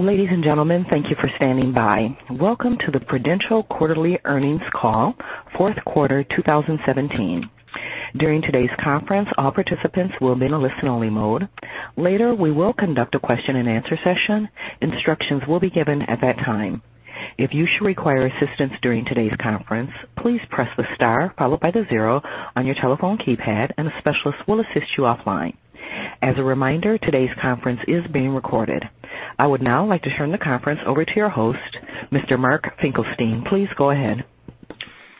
Ladies and gentlemen, thank you for standing by. Welcome to the Prudential quarterly earnings call, fourth quarter 2017. During today's conference, all participants will be in a listen-only mode. Later, we will conduct a question and answer session. Instructions will be given at that time. If you should require assistance during today's conference, please press the star followed by the zero on your telephone keypad, and a specialist will assist you offline. As a reminder, today's conference is being recorded. I would now like to turn the conference over to your host, Mr. Mark Finkelstein. Please go ahead.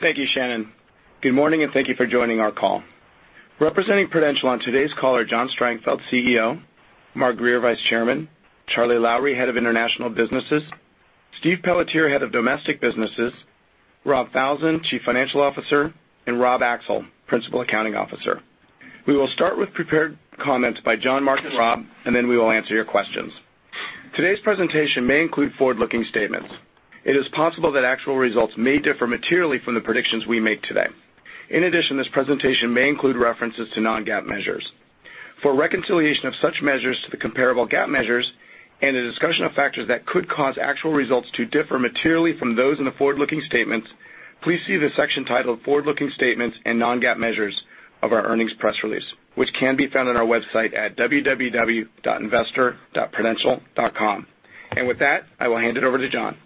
Thank you, Shannon. Good morning, and thank you for joining our call. Representing Prudential on today's call are John Strangfeld, CEO; Mark Grier, Vice Chairman; Charlie Lowrey, Head of International Businesses; Steve Pelletier, Head of Domestic Businesses; Rob Falzon, Chief Financial Officer; and Rob Axel, Principal Accounting Officer. We will start with prepared comments by John, Mark, and Rob, then we will answer your questions. Today's presentation may include forward-looking statements. It is possible that actual results may differ materially from the predictions we make today. In addition, this presentation may include references to non-GAAP measures. For a reconciliation of such measures to the comparable GAAP measures and a discussion of factors that could cause actual results to differ materially from those in the forward-looking statements, please see the section titled Forward-Looking Statements and Non-GAAP Measures of our earnings press release, which can be found on our website at www.investor.prudential.com. With that, I will hand it over to John.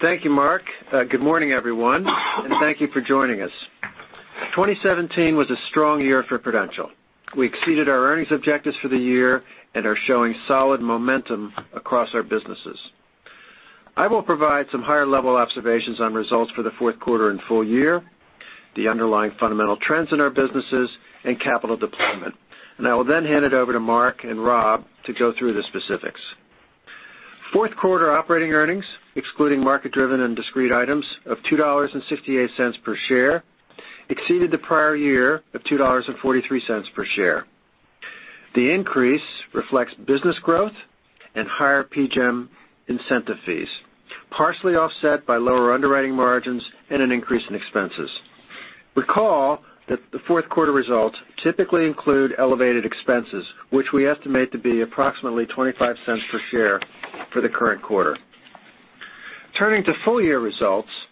Thank you, Mark. Good morning, everyone, and thank you for joining us. 2017 was a strong year for Prudential. We exceeded our earnings objectives for the year and are showing solid momentum across our businesses. I will provide some higher-level observations on results for the fourth quarter and full year, the underlying fundamental trends in our businesses, and capital deployment. I will then hand it over to Mark and Rob to go through the specifics. Fourth quarter operating earnings, excluding market-driven and discrete items, of $2.68 per share exceeded the prior year of $2.43 per share. The increase reflects business growth and higher PGIM incentive fees, partially offset by lower underwriting margins and an increase in expenses. Recall that the fourth quarter results typically include elevated expenses, which we estimate to be approximately $0.25 per share for the current quarter. Turning to full-year results,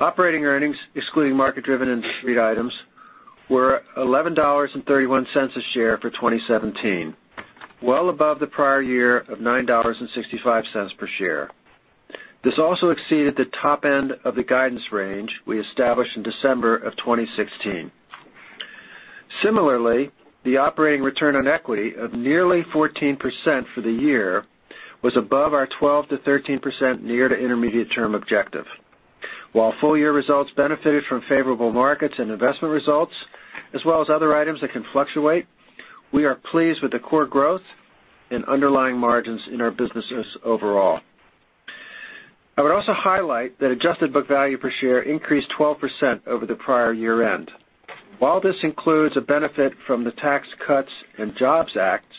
operating earnings excluding market-driven and discrete items were $11.31 a share for 2017, well above the prior year of $9.65 per share. This also exceeded the top end of the guidance range we established in December of 2016. Similarly, the operating return on equity of nearly 14% for the year was above our 12%-13% near to intermediate term objective. While full-year results benefited from favorable markets and investment results, as well as other items that can fluctuate, we are pleased with the core growth and underlying margins in our businesses overall. I would also highlight that adjusted book value per share increased 12% over the prior year-end. While this includes a benefit from the Tax Cuts and Jobs Act,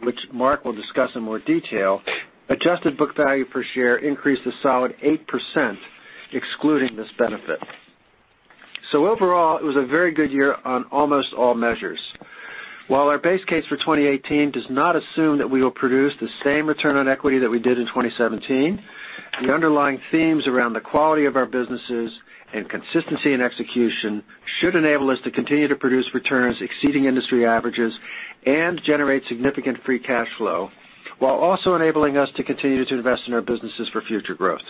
which Mark will discuss in more detail, adjusted book value per share increased a solid 8% excluding this benefit. Overall, it was a very good year on almost all measures. While our base case for 2018 does not assume that we will produce the same return on equity that we did in 2017, the underlying themes around the quality of our businesses and consistency in execution should enable us to continue to produce returns exceeding industry averages and generate significant free cash flow while also enabling us to continue to invest in our businesses for future growth.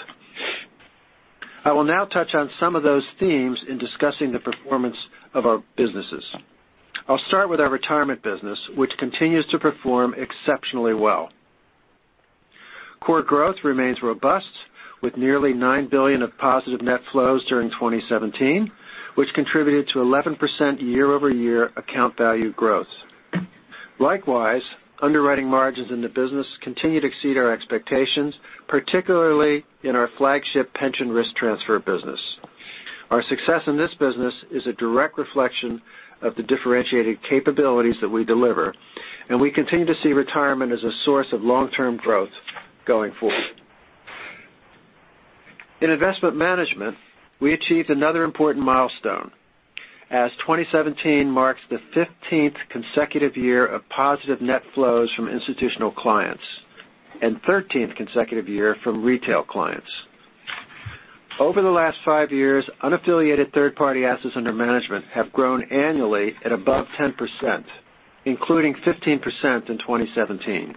I will now touch on some of those themes in discussing the performance of our businesses. I'll start with our retirement business, which continues to perform exceptionally well. Core growth remains robust, with nearly $9 billion of positive net flows during 2017, which contributed to 11% year-over-year account value growth. Likewise, underwriting margins in the business continue to exceed our expectations, particularly in our flagship pension risk transfer business. Our success in this business is a direct reflection of the differentiating capabilities that we deliver, and we continue to see retirement as a source of long-term growth going forward. In investment management, we achieved another important milestone as 2017 marks the 15th consecutive year of positive net flows from institutional clients and 13th consecutive year from retail clients. Over the last five years, unaffiliated third-party assets under management have grown annually at above 10%, including 15% in 2017.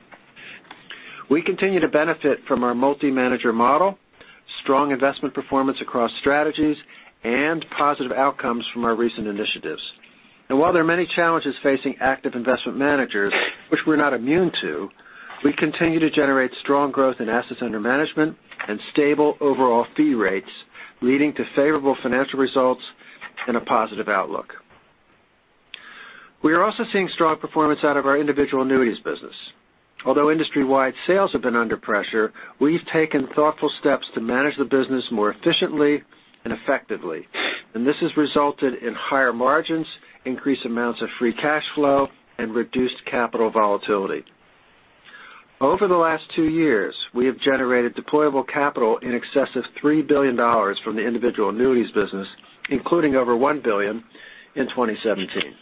We continue to benefit from our multi-manager model, strong investment performance across strategies, and positive outcomes from our recent initiatives. While there are many challenges facing active investment managers, which we're not immune to, we continue to generate strong growth in assets under management and stable overall fee rates, leading to favorable financial results and a positive outlook. We are also seeing strong performance out of our individual annuities business. Although industry-wide sales have been under pressure, we've taken thoughtful steps to manage the business more efficiently and effectively, and this has resulted in higher margins, increased amounts of free cash flow, and reduced capital volatility. Over the last two years, we have generated deployable capital in excess of $3 billion from the individual annuities business, including over $1 billion in 2017.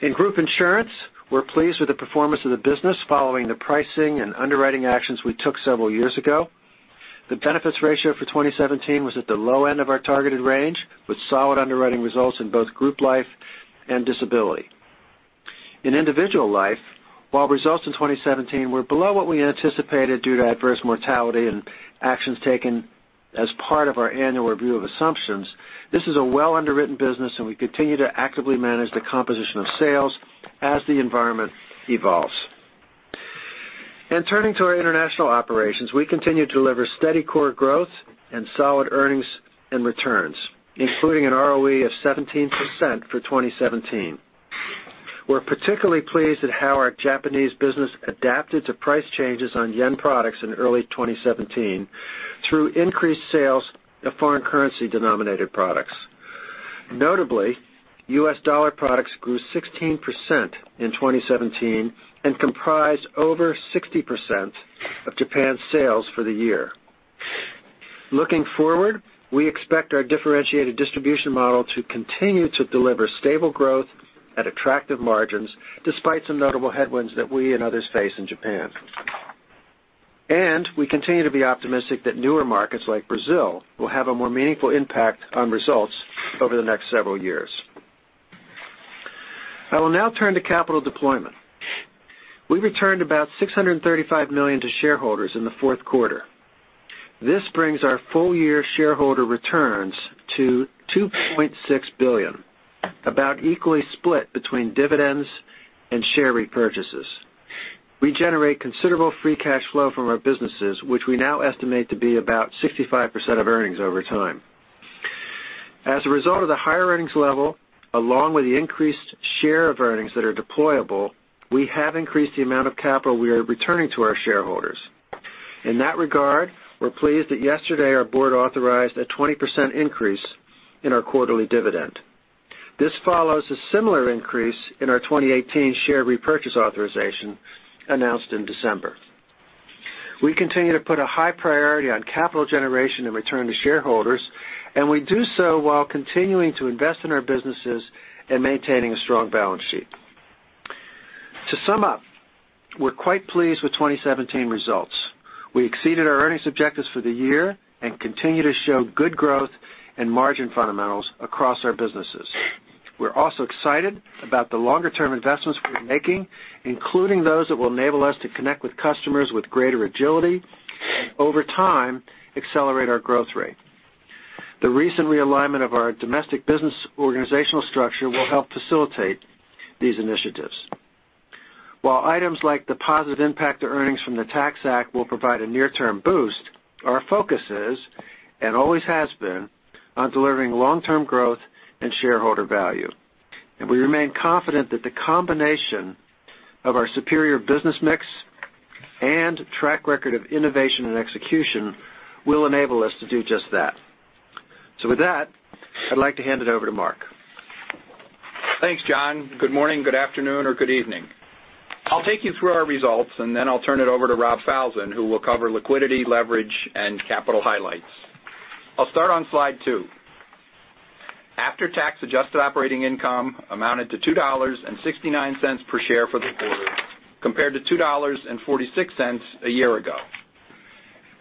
In group insurance, we're pleased with the performance of the business following the pricing and underwriting actions we took several years ago. The benefits ratio for 2017 was at the low end of our targeted range, with solid underwriting results in both group life and disability. In individual life, while results in 2017 were below what we anticipated due to adverse mortality and actions taken as part of our annual review of assumptions, this is a well-underwritten business, and we continue to actively manage the composition of sales as the environment evolves. In turning to our international operations, we continue to deliver steady core growth and solid earnings and returns, including an ROE of 17% for 2017. We're particularly pleased at how our Japanese business adapted to price changes on yen products in early 2017 through increased sales of foreign currency-denominated products. Notably, U.S. dollar products grew 16% in 2017 and comprised over 60% of Japan's sales for the year. Looking forward, we expect our differentiated distribution model to continue to deliver stable growth at attractive margins, despite some notable headwinds that we and others face in Japan. We continue to be optimistic that newer markets like Brazil will have a more meaningful impact on results over the next several years. I will now turn to capital deployment. We returned about $635 million to shareholders in the fourth quarter. This brings our full-year shareholder returns to $2.6 billion, about equally split between dividends and share repurchases. We generate considerable free cash flow from our businesses, which we now estimate to be about 65% of earnings over time. As a result of the higher earnings level, along with the increased share of earnings that are deployable, we have increased the amount of capital we are returning to our shareholders. In that regard, we're pleased that yesterday our board authorized a 20% increase in our quarterly dividend. This follows a similar increase in our 2018 share repurchase authorization announced in December. We continue to put a high priority on capital generation and return to shareholders, and we do so while continuing to invest in our businesses and maintaining a strong balance sheet. To sum up, we're quite pleased with 2017 results. We exceeded our earnings objectives for the year and continue to show good growth in margin fundamentals across our businesses. We're also excited about the longer-term investments we're making, including those that will enable us to connect with customers with greater agility and, over time, accelerate our growth rate. The recent realignment of our domestic business organizational structure will help facilitate these initiatives. While items like the positive impact to earnings from the Tax Act will provide a near-term boost, our focus is, and always has been, on delivering long-term growth and shareholder value. We remain confident that the combination of our superior business mix and track record of innovation and execution will enable us to do just that. So with that, I'd like to hand it over to Mark. Thanks, John. Good morning, good afternoon, or good evening. I'll take you through our results, then I'll turn it over to Rob Falzon, who will cover liquidity, leverage, and capital highlights. I'll start on slide two. After-tax Adjusted Operating Income amounted to $2.69 per share for the quarter, compared to $2.46 a year ago.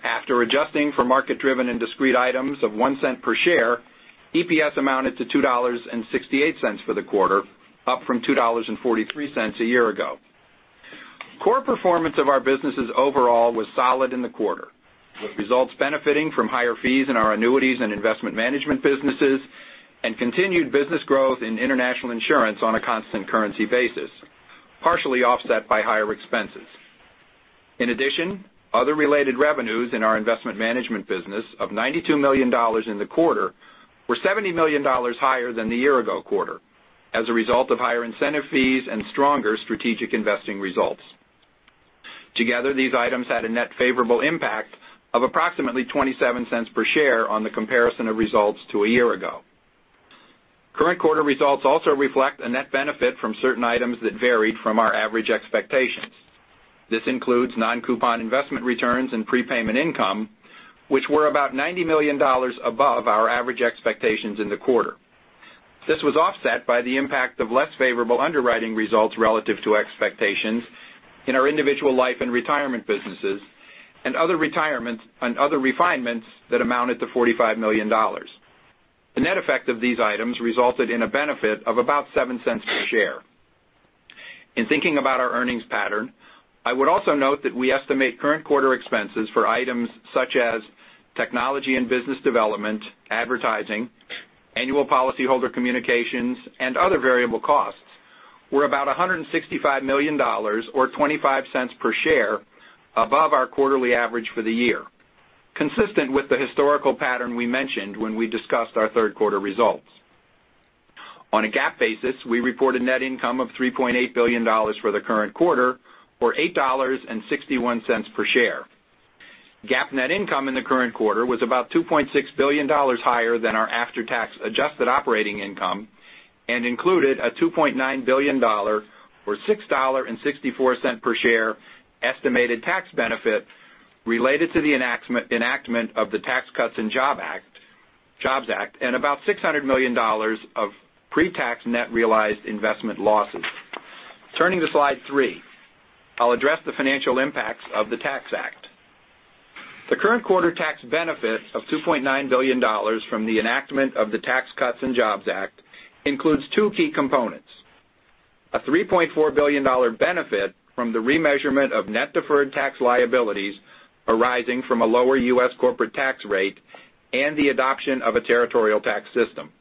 After adjusting for market-driven and discrete items of $0.01 per share, EPS amounted to $2.68 for the quarter, up from $2.43 a year ago. Core performance of our businesses overall was solid in the quarter, with results benefiting from higher fees in our annuities and investment management businesses, and continued business growth in International Insurance on a constant currency basis, partially offset by higher expenses. Other related revenues in our investment management business of $92 million in the quarter were $70 million higher than the year-ago quarter as a result of higher incentive fees and stronger strategic investing results. Together, these items had a net favorable impact of approximately $0.27 per share on the comparison of results to a year ago. Current quarter results also reflect a net benefit from certain items that varied from our average expectations. This includes non-coupon investment returns and prepayment income, which were about $90 million above our average expectations in the quarter. This was offset by the impact of less favorable underwriting results relative to expectations in our individual life and retirement businesses and other refinements that amounted to $45 million. The net effect of these items resulted in a benefit of about $0.07 per share. In thinking about our earnings pattern, I would also note that we estimate current quarter expenses for items such as technology and business development, advertising, annual policyholder communications, and other variable costs were about $165 million, or $0.25 per share above our quarterly average for the year, consistent with the historical pattern we mentioned when we discussed our third quarter results. On a GAAP basis, we reported net income of $3.8 billion for the current quarter, or $8.61 per share. GAAP net income in the current quarter was about $2.6 billion higher than our after-tax Adjusted Operating Income and included a $2.9 billion, or $6.64 per share, estimated tax benefit Related to the enactment of the Tax Cuts and Jobs Act, and about $600 million of pre-tax net realized investment losses. Turning to slide three, I'll address the financial impacts of the Tax Act. The current quarter tax benefit of $2.9 billion from the enactment of the Tax Cuts and Jobs Act includes two key components. A $3.4 billion benefit from the remeasurement of net deferred tax liabilities arising from a lower U.S. corporate tax rate and the adoption of a territorial tax system.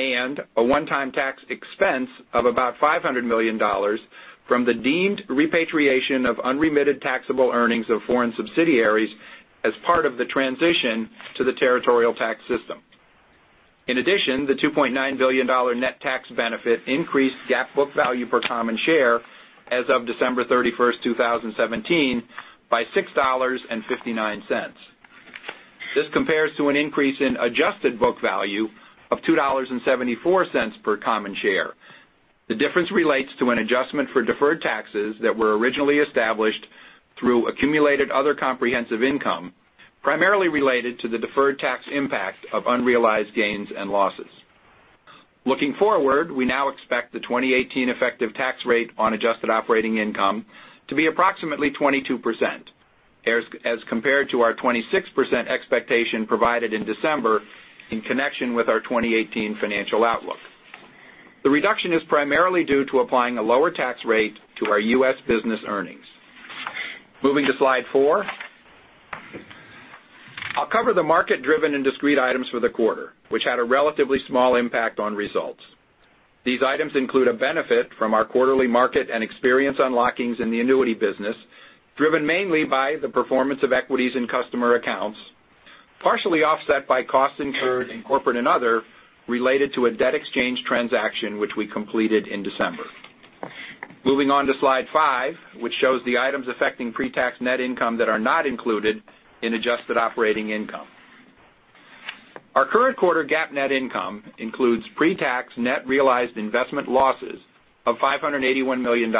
A one-time tax expense of about $500 million from the deemed repatriation of unremitted taxable earnings of foreign subsidiaries as part of the transition to the territorial tax system. The $2.9 billion net tax benefit increased GAAP book value per common share as of December 31st, 2017, by $6.59. This compares to an increase in adjusted book value of $2.74 per common share. The difference relates to an adjustment for deferred taxes that were originally established through Accumulated Other Comprehensive Income, primarily related to the deferred tax impact of unrealized gains and losses. Looking forward, we now expect the 2018 effective tax rate on Adjusted Operating Income to be approximately 22%, as compared to our 26% expectation provided in December in connection with our 2018 financial outlook. The reduction is primarily due to applying a lower tax rate to our U.S. business earnings. Moving to slide four, I'll cover the market-driven and discrete items for the quarter, which had a relatively small impact on results. These items include a benefit from our quarterly market and experience unlockings in the annuity business, driven mainly by the performance of equities in customer accounts, partially offset by costs incurred in corporate and other, related to a debt exchange transaction, which we completed in December. Moving on to slide five, which shows the items affecting pre-tax net income that are not included in Adjusted Operating Income. Our current quarter GAAP net income includes pre-tax net realized investment losses of $581 million,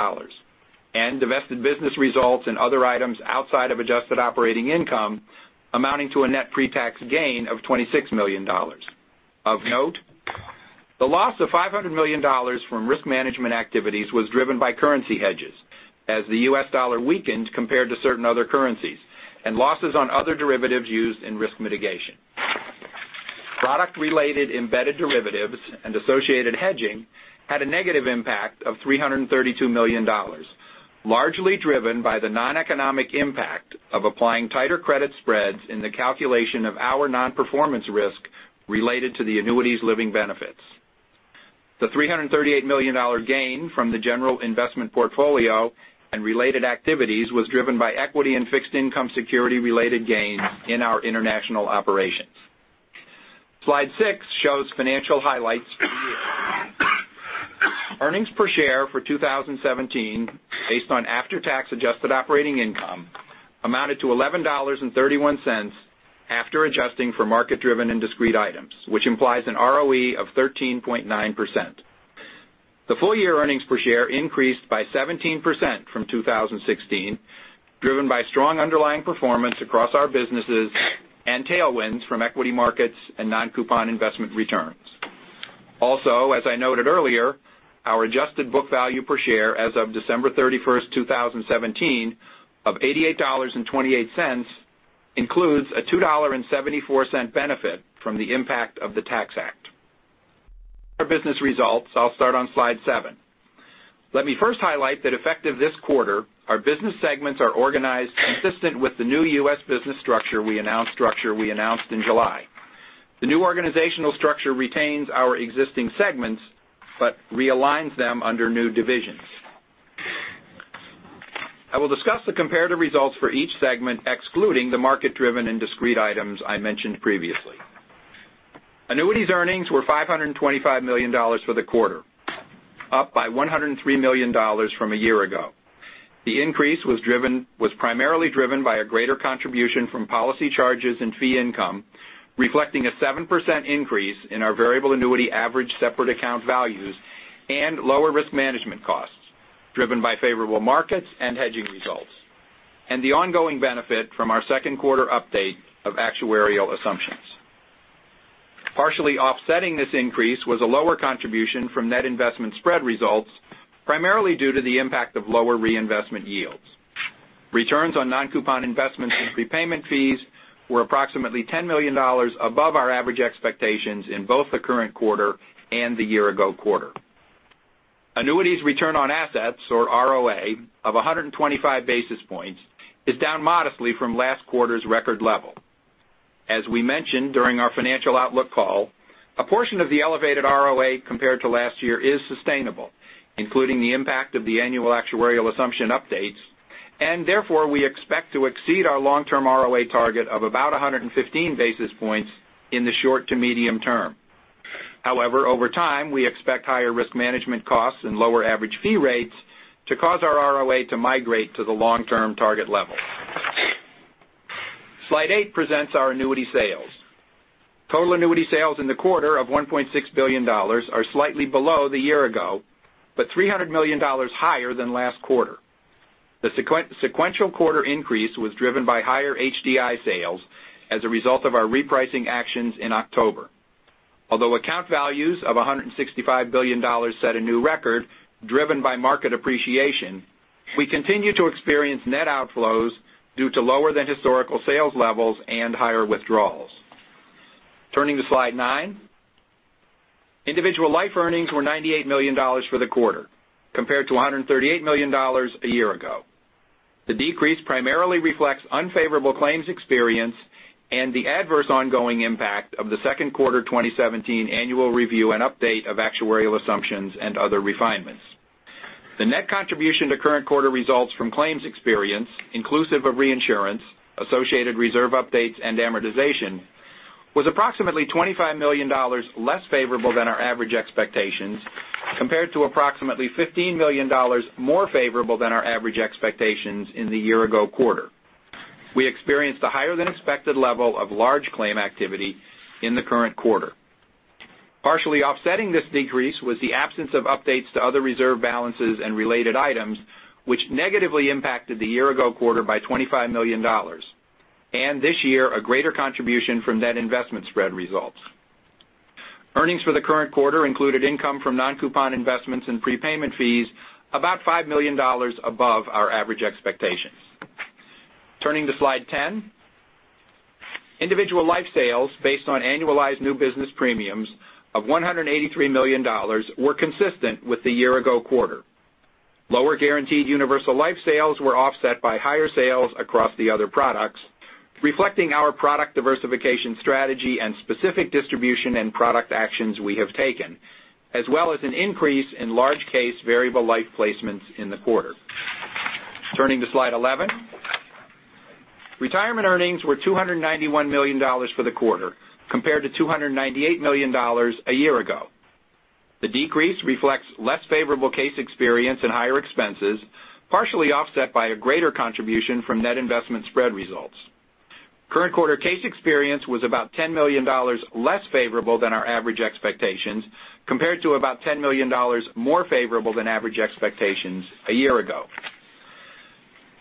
and divested business results and other items outside of Adjusted Operating Income amounting to a net pre-tax gain of $26 million. Of note, the loss of $500 million from risk management activities was driven by currency hedges, as the U.S. dollar weakened compared to certain other currencies, and losses on other derivatives used in risk mitigation. Product-related embedded derivatives and associated hedging had a negative impact of $332 million, largely driven by the non-economic impact of applying tighter credit spreads in the calculation of our non-performance risk related to the annuities living benefits. The $338 million gain from the general investment portfolio and related activities was driven by equity and fixed-income security related gains in our international operations. Slide six shows financial highlights for the year. Earnings per share for 2017, based on after-tax Adjusted Operating Income, amounted to $11.31 after adjusting for market-driven and discrete items, which implies an ROE of 13.9%. The full-year earnings per share increased by 17% from 2016, driven by strong underlying performance across our businesses and tailwinds from equity markets and non-coupon investment returns. Also, as I noted earlier, our adjusted book value per share as of December 31st, 2017, of $88.28, includes a $2.74 benefit from the impact of the Tax Act. Our business results, I'll start on slide seven. Let me first highlight that effective this quarter, our business segments are organized consistent with the new U.S. business structure we announced in July. The new organizational structure retains our existing segments but realigns them under new divisions. I will discuss the comparative results for each segment, excluding the market-driven and discrete items I mentioned previously. Annuities earnings were $525 million for the quarter, up by $103 million from a year ago. The increase was primarily driven by a greater contribution from policy charges and fee income, reflecting a 7% increase in our variable annuity average separate account values and lower risk management costs, driven by favorable markets and hedging results, and the ongoing benefit from our second quarter update of actuarial assumptions. Partially offsetting this increase was a lower contribution from net investment spread results, primarily due to the impact of lower reinvestment yields. Returns on non-coupon investments and prepayment fees were approximately $10 million above our average expectations in both the current quarter and the year-ago quarter. Annuities return on assets, or ROA, of 125 basis points, is down modestly from last quarter's record level. As we mentioned during our financial outlook call, a portion of the elevated ROA compared to last year is sustainable, including the impact of the annual actuarial assumption updates, therefore, we expect to exceed our long-term ROA target of about 115 basis points in the short to medium term. However, over time, we expect higher risk management costs and lower average fee rates to cause our ROA to migrate to the long-term target level. Slide eight presents our annuity sales. Total annuity sales in the quarter of $1.6 billion are slightly below the year ago, $300 million higher than last quarter. The sequential quarter increase was driven by higher HDI sales as a result of our repricing actions in October. Although account values of $165 billion set a new record driven by market appreciation, we continue to experience net outflows due to lower than historical sales levels and higher withdrawals. Turning to slide nine. Individual life earnings were $98 million for the quarter, compared to $138 million a year ago. The decrease primarily reflects unfavorable claims experience and the adverse ongoing impact of the second quarter 2017 annual review and update of actuarial assumptions and other refinements. The net contribution to current quarter results from claims experience, inclusive of reinsurance, associated reserve updates and amortization, was approximately $25 million less favorable than our average expectations, compared to approximately $15 million more favorable than our average expectations in the year ago quarter. We experienced a higher than expected level of large claim activity in the current quarter. Partially offsetting this decrease was the absence of updates to other reserve balances and related items, which negatively impacted the year ago quarter by $25 million. This year, a greater contribution from net investment spread results. Earnings for the current quarter included income from non-coupon investments and prepayment fees about $5 million above our average expectations. Turning to slide 10. Individual life sales based on annualized new business premiums of $183 million were consistent with the year ago quarter. Lower guaranteed universal life sales were offset by higher sales across the other products, reflecting our product diversification strategy and specific distribution and product actions we have taken, as well as an increase in large case variable life placements in the quarter. Turning to slide 11. Retirement earnings were $291 million for the quarter, compared to $298 million a year ago. The decrease reflects less favorable case experience and higher expenses, partially offset by a greater contribution from net investment spread results. Current quarter case experience was about $10 million less favorable than our average expectations, compared to about $10 million more favorable than average expectations a year ago.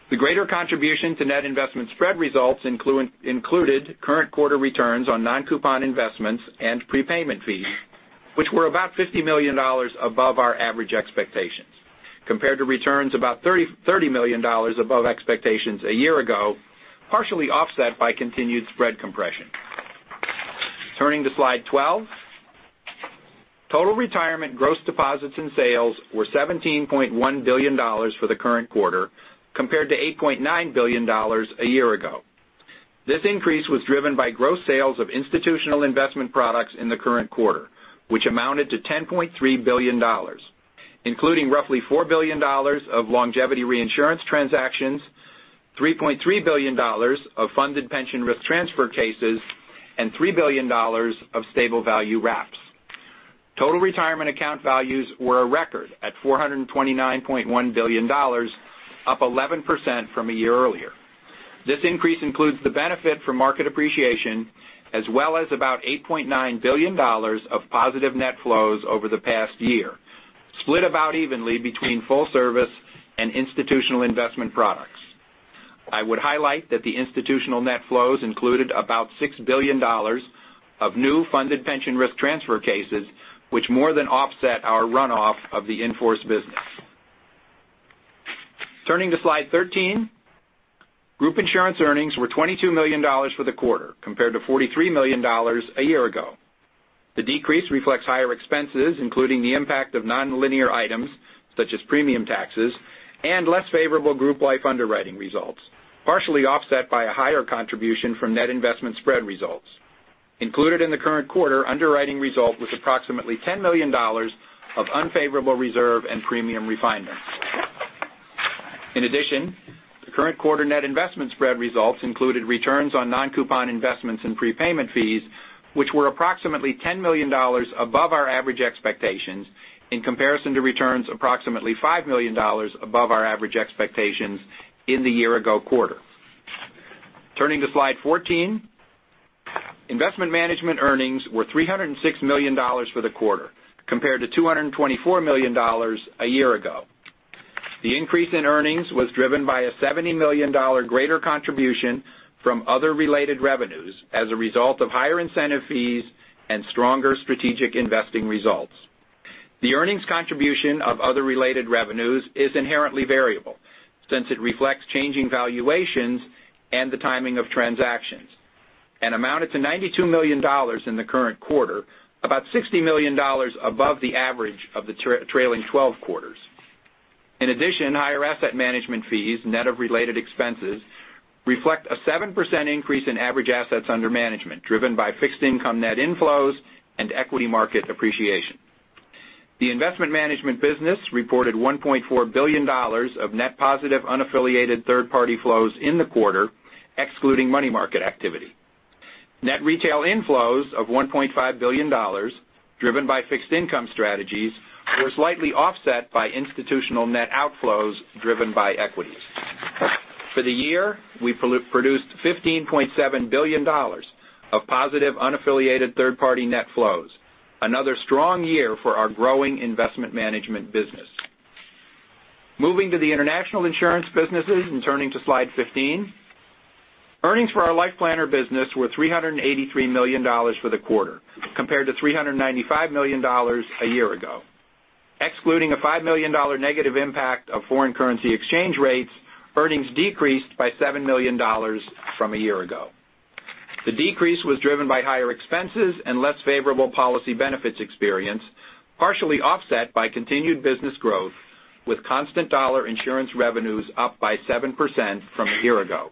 The greater contribution to net investment spread results included current quarter returns on non-coupon investments and prepayment fees, which were about $50 million above our average expectations, compared to returns about $30 million above expectations a year ago, partially offset by continued spread compression. Turning to slide 12. Total retirement gross deposits and sales were $17.1 billion for the current quarter, compared to $8.9 billion a year ago. This increase was driven by gross sales of institutional investment products in the current quarter, which amounted to $10.3 billion, including roughly $4 billion of longevity reinsurance transactions, $3.3 billion of funded pension risk transfer cases, and $3 billion of stable value wraps. Total retirement account values were a record at $429.1 billion, up 11% from a year earlier. This increase includes the benefit from market appreciation, as well as about $8.9 billion of positive net flows over the past year, split about evenly between full service and institutional investment products. I would highlight that the institutional net flows included about $6 billion of new funded pension risk transfer cases, which more than offset our runoff of the in-force business. Turning to slide 13. Group insurance earnings were $22 million for the quarter, compared to $43 million a year ago. The decrease reflects higher expenses, including the impact of nonlinear items such as premium taxes and less favorable group life underwriting results, partially offset by a higher contribution from net investment spread results. Included in the current quarter underwriting result was approximately $10 million of unfavorable reserve and premium refinements. In addition, the current quarter net investment spread results included returns on non-coupon investments and prepayment fees, which were approximately $10 million above our average expectations, in comparison to returns approximately $5 million above our average expectations in the year ago quarter. Turning to slide 14. Investment management earnings were $306 million for the quarter, compared to $224 million a year ago. The increase in earnings was driven by a $70 million greater contribution from other related revenues as a result of higher incentive fees and stronger strategic investing results. The earnings contribution of other related revenues is inherently variable, since it reflects changing valuations and the timing of transactions, and amounted to $92 million in the current quarter, about $60 million above the average of the trailing 12 quarters. In addition, higher asset management fees, net of related expenses, reflect a 7% increase in average assets under management, driven by fixed income net inflows and equity market appreciation. The investment management business reported $1.4 billion of net positive unaffiliated third-party flows in the quarter, excluding money market activity. Net retail inflows of $1.5 billion, driven by fixed income strategies, were slightly offset by institutional net outflows driven by equities. For the year, we produced $15.7 billion of positive unaffiliated third-party net flows, another strong year for our growing investment management business. Moving to the international insurance businesses and turning to slide 15. Earnings for our LifePlanner business were $383 million for the quarter compared to $395 million a year ago. Excluding a $5 million negative impact of foreign currency exchange rates, earnings decreased by $7 million from a year ago. The decrease was driven by higher expenses and less favorable policy benefits experience, partially offset by continued business growth, with constant dollar insurance revenues up by 7% from a year ago.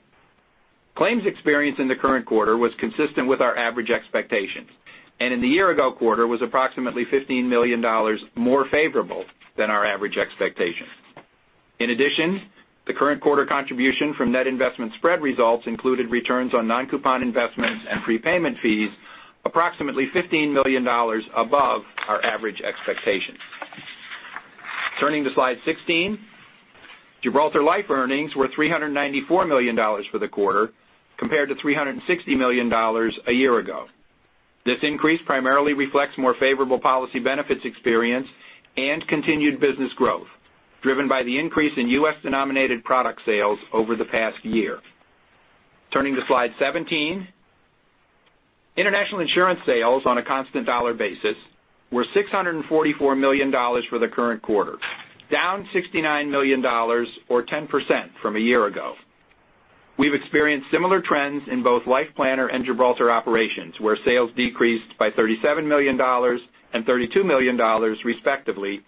Claims experience in the current quarter was consistent with our average expectations, and in the year-ago quarter was approximately $15 million more favorable than our average expectations. In addition, the current quarter contribution from net investment spread results included returns on non-coupon investments and prepayment fees, approximately $15 million above our average expectations. Turning to slide 16. Gibraltar Life earnings were $394 million for the quarter, compared to $360 million a year ago. This increase primarily reflects more favorable policy benefits experience and continued business growth driven by the increase in U.S.-denominated product sales over the past year. Turning to slide 17. International insurance sales on a constant dollar basis were $644 million for the current quarter, down $69 million or 10% from a year ago. We've experienced similar trends in both LifePlanner and Gibraltar operations, where sales decreased by $37 million and $32 million respectively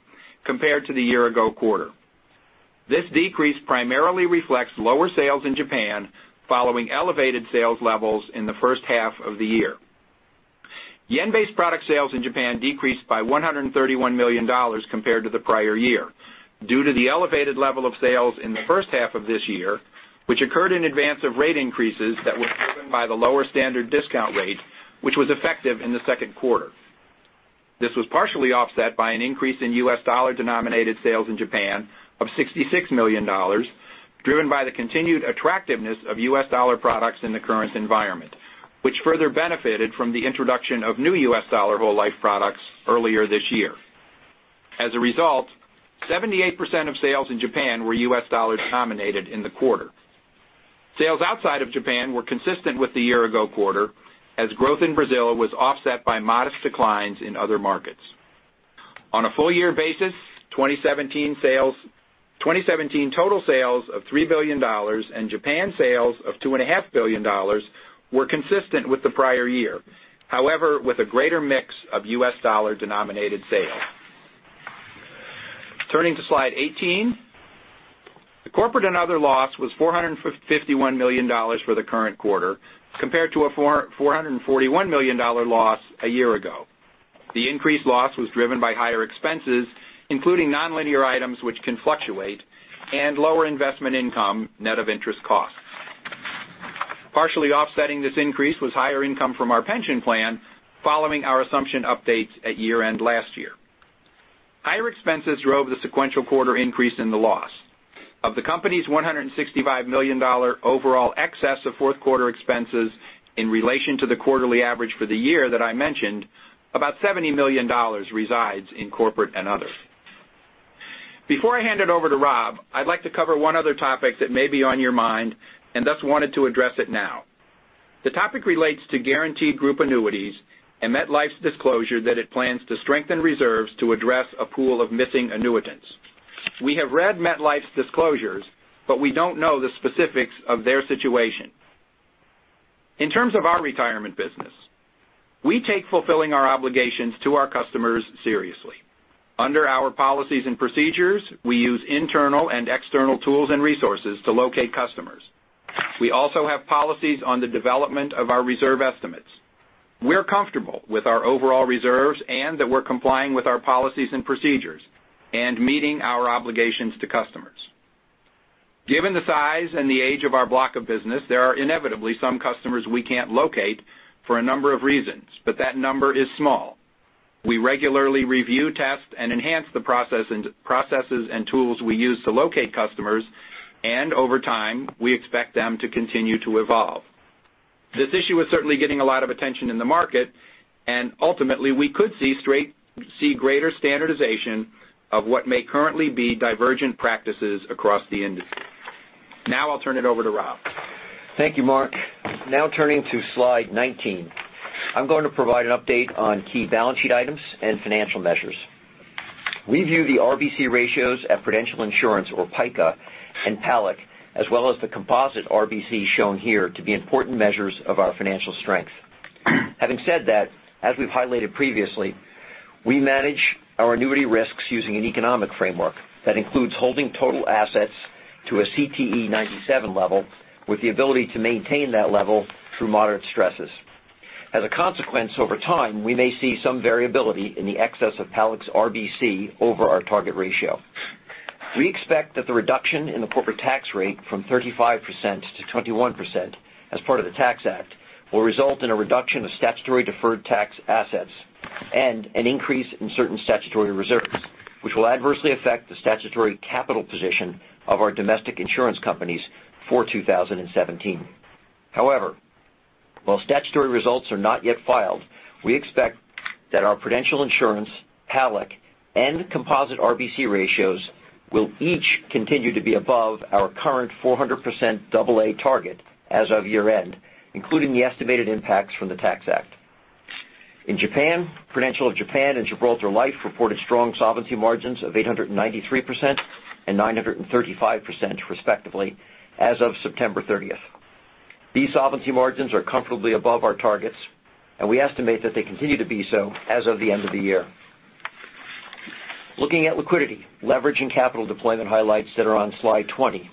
compared to the year-ago quarter. This decrease primarily reflects lower sales in Japan following elevated sales levels in the first half of the year. JPY-based product sales in Japan decreased by JPY 131 million compared to the prior year, due to the elevated level of sales in the first half of this year, which occurred in advance of rate increases that were driven by the lower standard discount rate, which was effective in the second quarter. This was partially offset by an increase in U.S. dollar-denominated sales in Japan of $66 million, driven by the continued attractiveness of U.S. dollar products in the current environment, which further benefited from the introduction of new U.S. dollar whole life products earlier this year. As a result, 78% of sales in Japan were U.S. dollar-denominated in the quarter. Sales outside of Japan were consistent with the year-ago quarter, as growth in Brazil was offset by modest declines in other markets. On a full year basis, 2017 total sales of $3 billion and Japan sales of $2.5 billion were consistent with the prior year, however, with a greater mix of U.S. dollar-denominated sales. Turning to slide 18. The corporate and other loss was $451 million for the current quarter compared to a $441 million loss a year ago. The increased loss was driven by higher expenses, including nonlinear items which can fluctuate, and lower investment income net of interest costs. Partially offsetting this increase was higher income from our pension plan following our assumption updates at year-end last year. Higher expenses drove the sequential quarter increase in the loss. Of the company's $165 million overall excess of fourth quarter expenses in relation to the quarterly average for the year that I mentioned, about $70 million resides in corporate and other. Before I hand it over to Rob, I'd like to cover one other topic that may be on your mind and thus wanted to address it now. The topic relates to guaranteed group annuities and MetLife's disclosure that it plans to strengthen reserves to address a pool of missing annuitants. We have read MetLife's disclosures, but we don't know the specifics of their situation. In terms of our retirement business, we take fulfilling our obligations to our customers seriously. Under our policies and procedures, we use internal and external tools and resources to locate customers. We also have policies on the development of our reserve estimates. We're comfortable with our overall reserves and that we're complying with our policies and procedures and meeting our obligations to customers. Given the size and the age of our block of business, there are inevitably some customers we can't locate for a number of reasons, but that number is small. We regularly review, test, and enhance the processes and tools we use to locate customers, and over time, we expect them to continue to evolve. This issue is certainly getting a lot of attention in the market, and ultimately, we could see greater standardization of what may currently be divergent practices across the industry. Now I'll turn it over to Rob. Thank you, Mark. Turning to slide 19, I'm going to provide an update on key balance sheet items and financial measures. We view the RBC ratios at Prudential Insurance or PICA and PALIC, as well as the composite RBC shown here to be important measures of our financial strength. Having said that, as we've highlighted previously, we manage our annuity risks using an economic framework that includes holding total assets to a CTE 97 level with the ability to maintain that level through moderate stresses. As a consequence, over time, we may see some variability in the excess of PALIC's RBC over our target ratio. We expect that the reduction in the corporate tax rate from 35% to 21% as part of the Tax Act will result in a reduction of statutory Deferred Tax Assets and an increase in certain statutory reserves. Which will adversely affect the statutory capital position of our domestic insurance companies for 2017. However, while statutory results are not yet filed, we expect that our Prudential Insurance, PALIC, and composite RBC ratios will each continue to be above our current 400% double A target as of year-end, including the estimated impacts from the Tax Act. In Japan, Prudential of Japan and Gibraltar Life reported strong solvency margins of 893% and 935%, respectively, as of September 30th. These solvency margins are comfortably above our targets, and we estimate that they continue to be so as of the end of the year. Looking at liquidity, leverage and capital deployment highlights that are on slide 20.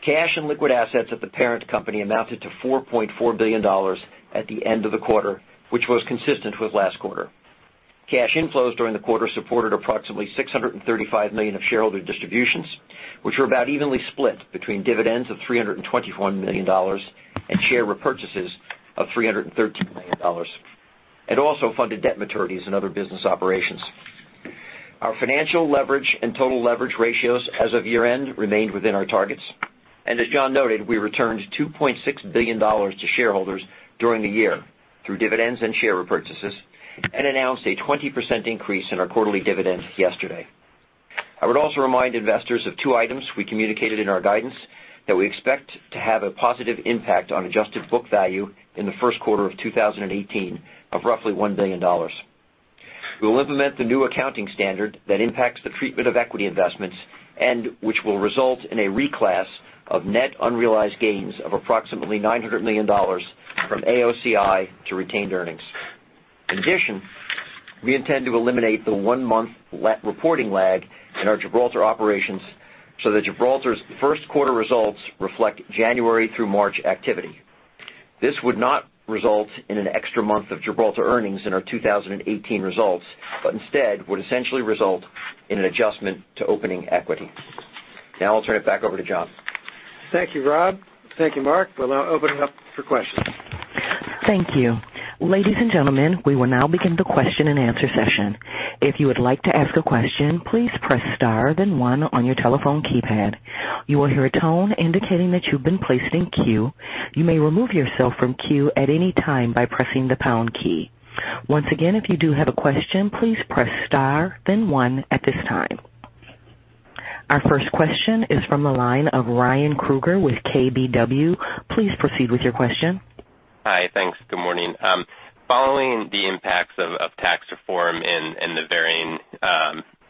Cash and liquid assets at the parent company amounted to $4.4 billion at the end of the quarter, which was consistent with last quarter. Cash inflows during the quarter supported approximately $635 million of shareholder distributions, which were about evenly split between dividends of $321 million and share repurchases of $313 million. It also funded debt maturities and other business operations. Our financial leverage and total leverage ratios as of year-end remained within our targets. As John noted, we returned $2.6 billion to shareholders during the year through dividends and share repurchases, and announced a 20% increase in our quarterly dividend yesterday. I would also remind investors of two items we communicated in our guidance that we expect to have a positive impact on adjusted book value in the first quarter of 2018 of roughly $1 billion. We will implement the new accounting standard that impacts the treatment of equity investments and which will result in a reclass of net unrealized gains of approximately $900 million from AOCI to retained earnings. In addition, we intend to eliminate the one-month reporting lag in our Gibraltar operations so that Gibraltar's first quarter results reflect January through March activity. This would not result in an extra month of Gibraltar earnings in our 2018 results, but instead would essentially result in an adjustment to opening equity. I'll turn it back over to John. Thank you, Rob. Thank you, Mark. We'll now open it up for questions. Thank you. Ladies and gentlemen, we will now begin the question and answer session. If you would like to ask a question, please press star, then one on your telephone keypad. You will hear a tone indicating that you've been placed in queue. You may remove yourself from queue at any time by pressing the pound key. Once again, if you do have a question, please press star, then one at this time. Our first question is from the line of Ryan Krueger with KBW. Please proceed with your question. Hi. Thanks. Good morning. Following the impacts of tax reform and the varying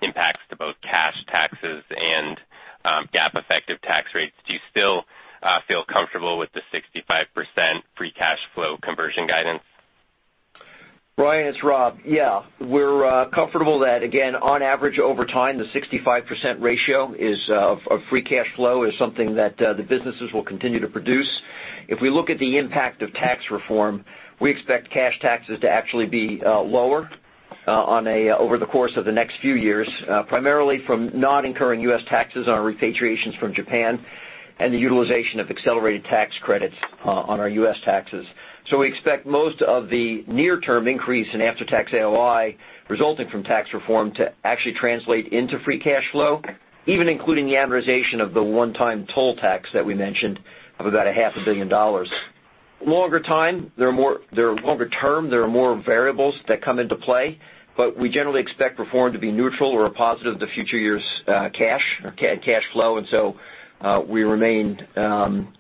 impacts to both cash taxes and GAAP effective tax rates, do you still feel comfortable with the 65% free cash flow conversion guidance? Ryan, it's Rob. We're comfortable that, again, on average over time, the 65% ratio of free cash flow is something that the businesses will continue to produce. If we look at the impact of tax reform, we expect cash taxes to actually be lower over the course of the next few years, primarily from not incurring U.S. taxes on repatriations from Japan and the utilization of accelerated tax credits on our U.S. taxes. We expect most of the near-term increase in after-tax AOI resulting from tax reform to actually translate into free cash flow, even including the amortization of the one-time toll tax that we mentioned of about a half a billion dollars. Longer time, there are more variables that come into play. We generally expect reform to be neutral or a positive to future years cash or cash flow. We remained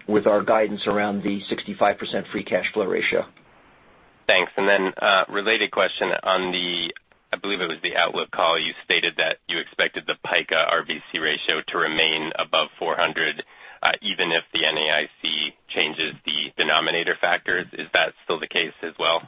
with our guidance around the 65% free cash flow ratio. Thanks. A related question on the, I believe it was the outlook call, you stated that you expected the PICA RBC ratio to remain above 400, even if the NAIC changes the denominator factors. Is that still the case as well?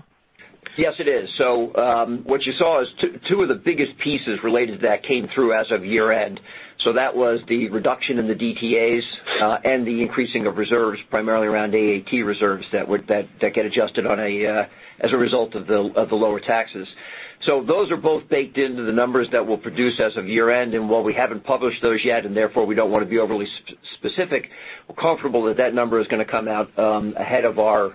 Yes, it is. What you saw is two of the biggest pieces related to that came through as of year-end. That was the reduction in the DTAs and the increasing of reserves, primarily around AAT reserves that get adjusted as a result of the lower taxes. Those are both baked into the numbers that we'll produce as of year-end. While we haven't published those yet, therefore we don't want to be overly specific, we're comfortable that that number is going to come out ahead of our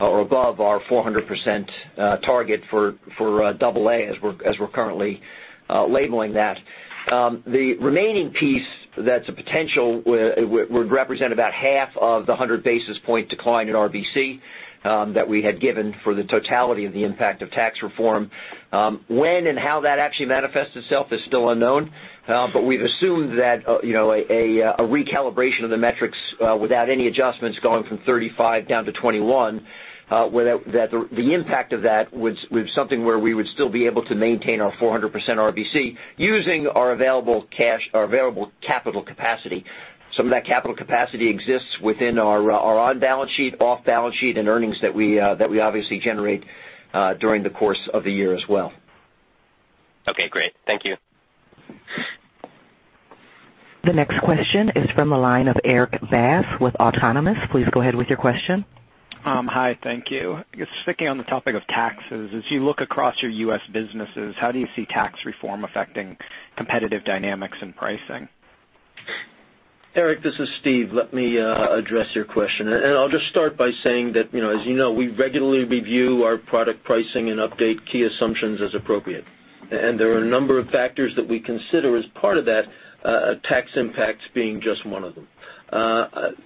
or above our 400% target for AA as we're currently labeling that. The remaining piece that's a potential would represent about half of the 100 basis point decline in RBC that we had given for the totality of the impact of tax reform. When and how that actually manifests itself is still unknown, but we've assumed that a recalibration of the metrics without any adjustments going from 35 down to 21, the impact of that was something where we would still be able to maintain our 400% RBC using our available cash, our available capital capacity. Some of that capital capacity exists within our on-balance sheet, off-balance sheet, and earnings that we obviously generate during the course of the year as well. Okay, great. Thank you. The next question is from the line of Erik Bass with Autonomous. Please go ahead with your question. Hi. Thank you. Just sticking on the topic of taxes, as you look across your U.S. businesses, how do you see tax reform affecting competitive dynamics and pricing? Erik, this is Steve. Let me address your question. I'll just start by saying that, as you know, we regularly review our product pricing and update key assumptions as appropriate. There are a number of factors that we consider as part of that, tax impacts being just one of them.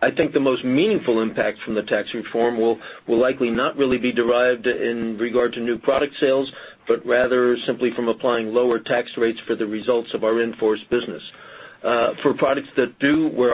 I think the most meaningful impact from the tax reform will likely not really be derived in regard to new product sales, but rather simply from applying lower tax rates for the results of our in-force business. For products that do, where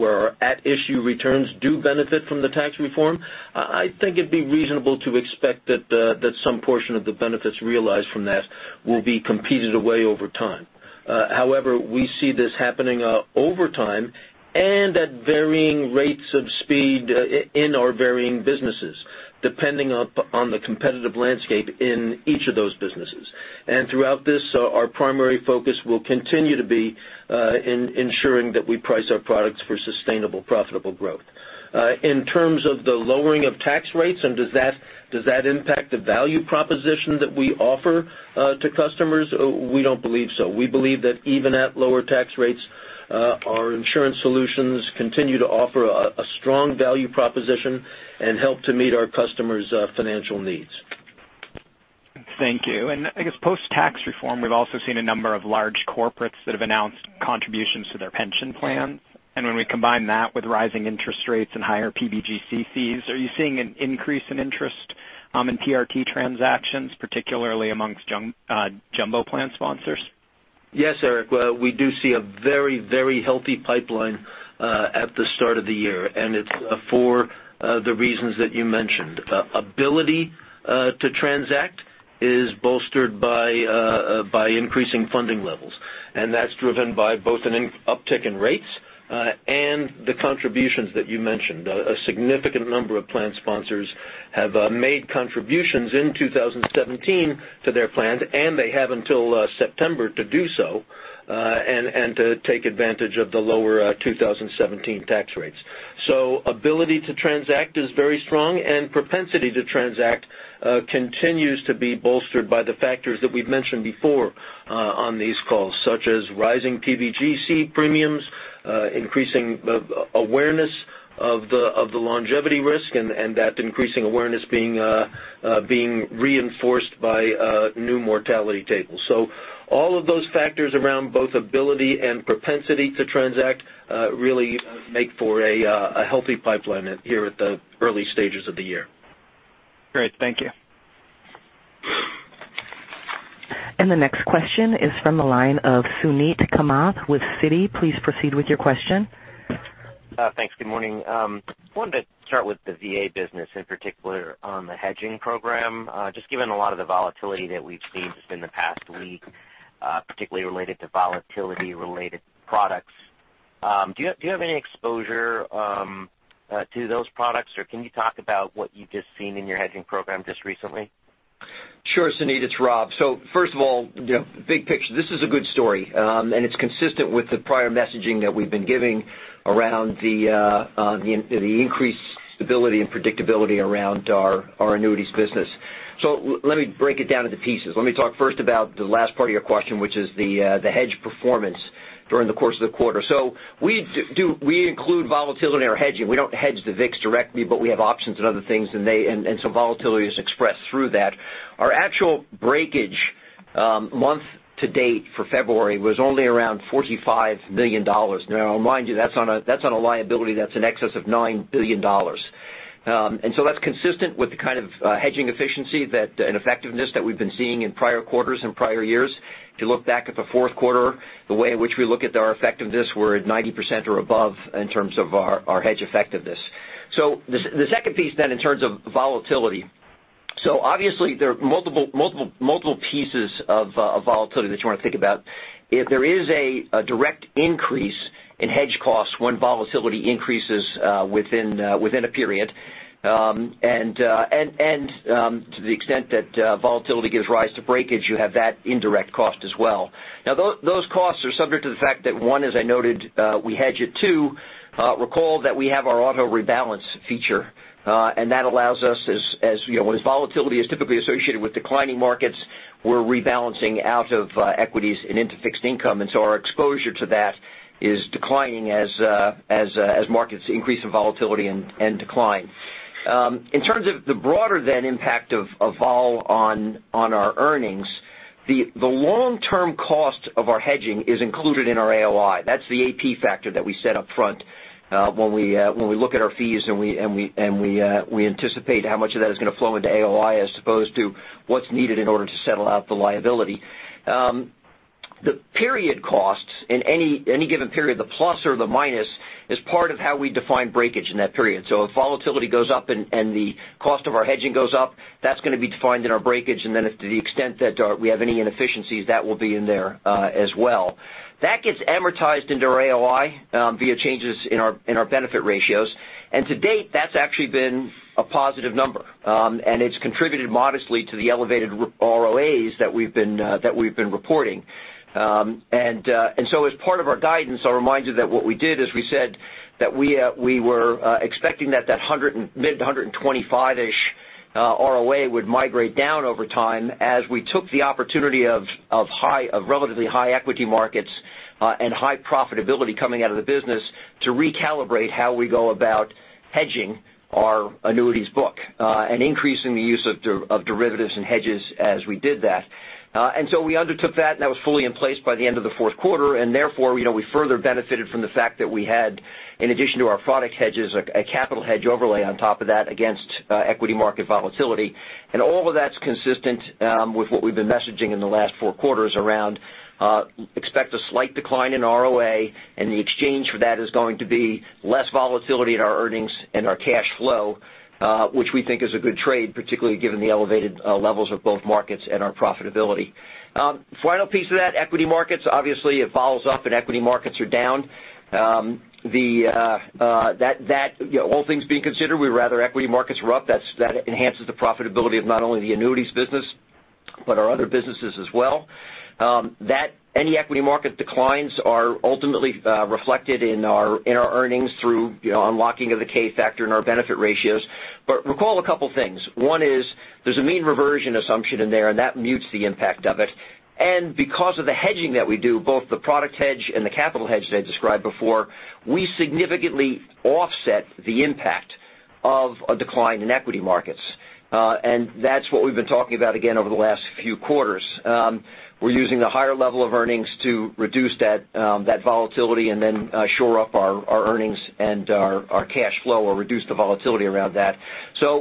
our at-issue returns do benefit from the tax reform, I think it'd be reasonable to expect that some portion of the benefits realized from that will be competed away over time. However, we see this happening over time and at varying rates of speed in our varying businesses, depending up on the competitive landscape in each of those businesses. Throughout this, our primary focus will continue to be in ensuring that we price our products for sustainable, profitable growth. In terms of the lowering of tax rates, does that impact the value proposition that we offer to customers? We don't believe so. We believe that even at lower tax rates, our insurance solutions continue to offer a strong value proposition and help to meet our customers' financial needs. Thank you. I guess post-tax reform, we've also seen a number of large corporates that have announced contributions to their pension plans. When we combine that with rising interest rates and higher PBGC fees, are you seeing an increase in interest in PRT transactions, particularly amongst jumbo plan sponsors? Yes, Erik. We do see a very healthy pipeline at the start of the year, it's for the reasons that you mentioned. Ability to transact is bolstered by increasing funding levels, that's driven by both an uptick in rates and the contributions that you mentioned. A significant number of plan sponsors have made contributions in 2017 to their plans, they have until September to do so and to take advantage of the lower 2017 tax rates. Ability to transact is very strong, propensity to transact continues to be bolstered by the factors that we've mentioned before on these calls, such as rising PBGC premiums, increasing awareness of the longevity risk, that increasing awareness being reinforced by new mortality tables. All of those factors around both ability and propensity to transact really make for a healthy pipeline here at the early stages of the year. Great. Thank you. The next question is from the line of Suneet Kamath with Citi. Please proceed with your question. Thanks. Good morning. I wanted to start with the VA business, in particular on the hedging program. Just given a lot of the volatility that we've seen just in the past week, particularly related to volatility-related products, do you have any exposure to those products, or can you talk about what you've just seen in your hedging program just recently? Sure, Suneet, it's Rob. First of all, big picture. This is a good story, and it's consistent with the prior messaging that we've been giving around the increased stability and predictability around our annuities business. Let me break it down into pieces. Let me talk first about the last part of your question, which is the hedge performance during the course of the quarter. We include volatility in our hedging. We don't hedge the VIX directly, but we have options and other things. Volatility is expressed through that. Our actual breakage month to date for February was only around $45 million. Now, mind you, that's on a liability that's in excess of $9 billion. That's consistent with the kind of hedging efficiency and effectiveness that we've been seeing in prior quarters and prior years. If you look back at the fourth quarter, the way in which we look at our effectiveness, we're at 90% or above in terms of our hedge effectiveness. The second piece then in terms of volatility. Obviously there are multiple pieces of volatility that you want to think about. If there is a direct increase in hedge costs when volatility increases within a period, and to the extent that volatility gives rise to breakage, you have that indirect cost as well. Now, those costs are subject to the fact that, one, as I noted, we hedge it. Two, recall that we have our auto rebalance feature, and that allows us as volatility is typically associated with declining markets, we're rebalancing out of equities and into fixed income. Our exposure to that is declining as markets increase in volatility and decline. In terms of the broader then impact of vol on our earnings, the long-term cost of our hedging is included in our AOI. That's the AP factor that we set up front when we look at our fees and we anticipate how much of that is going to flow into AOI as opposed to what's needed in order to settle out the liability. The period costs in any given period, the plus or the minus, is part of how we define breakage in that period. If volatility goes up and the cost of our hedging goes up, that's going to be defined in our breakage, and then to the extent that we have any inefficiencies, that will be in there as well. That gets amortized into our AOI via changes in our benefit ratios. To date, that's actually been a positive number. It's contributed modestly to the elevated ROAs that we've been reporting. As part of our guidance, I'll remind you that what we did is we said that we were expecting that mid 125-ish ROA would migrate down over time as we took the opportunity of relatively high equity markets and high profitability coming out of the business to recalibrate how we go about hedging our annuities book, increasing the use of derivatives and hedges as we did that. We undertook that, and that was fully in place by the end of the fourth quarter. Therefore, we further benefited from the fact that we had, in addition to our product hedges, a capital hedge overlay on top of that against equity market volatility. All of that's consistent with what we've been messaging in the last four quarters around expect a slight decline in ROA, and the exchange for that is going to be less volatility in our earnings and our cash flow, which we think is a good trade, particularly given the elevated levels of both markets and our profitability. Final piece of that, equity markets, obviously it follows up and equity markets are down. All things being considered, we rather equity markets were up. That enhances the profitability of not only the annuities business, but our other businesses as well. Any equity market declines are ultimately reflected in our earnings through unlocking of the K factor and our benefit ratios. Recall a couple things. One is there's a mean reversion assumption in there, and that mutes the impact of it. Because of the hedging that we do, both the product hedge and the capital hedge that I described before, we significantly offset the impact of a decline in equity markets. That's what we've been talking about again over the last few quarters. We're using the higher level of earnings to reduce that volatility and then shore up our earnings and our cash flow or reduce the volatility around that.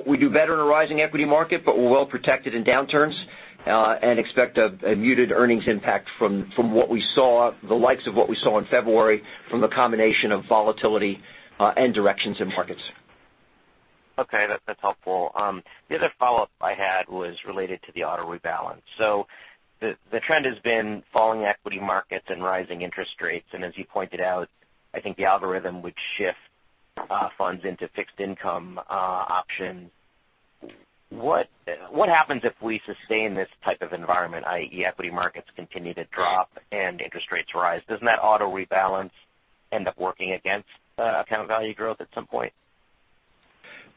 We do better in a rising equity market, but we're well protected in downturns, and expect a muted earnings impact from the likes of what we saw in February from a combination of volatility and directions in markets. Okay. That's helpful. The other follow-up I had was related to the auto rebalance. The trend has been falling equity markets and rising interest rates. As you pointed out, I think the algorithm would shift funds into fixed income options. What happens if we sustain this type of environment, i.e., equity markets continue to drop and interest rates rise? Doesn't that auto rebalance end up working against account value growth at some point?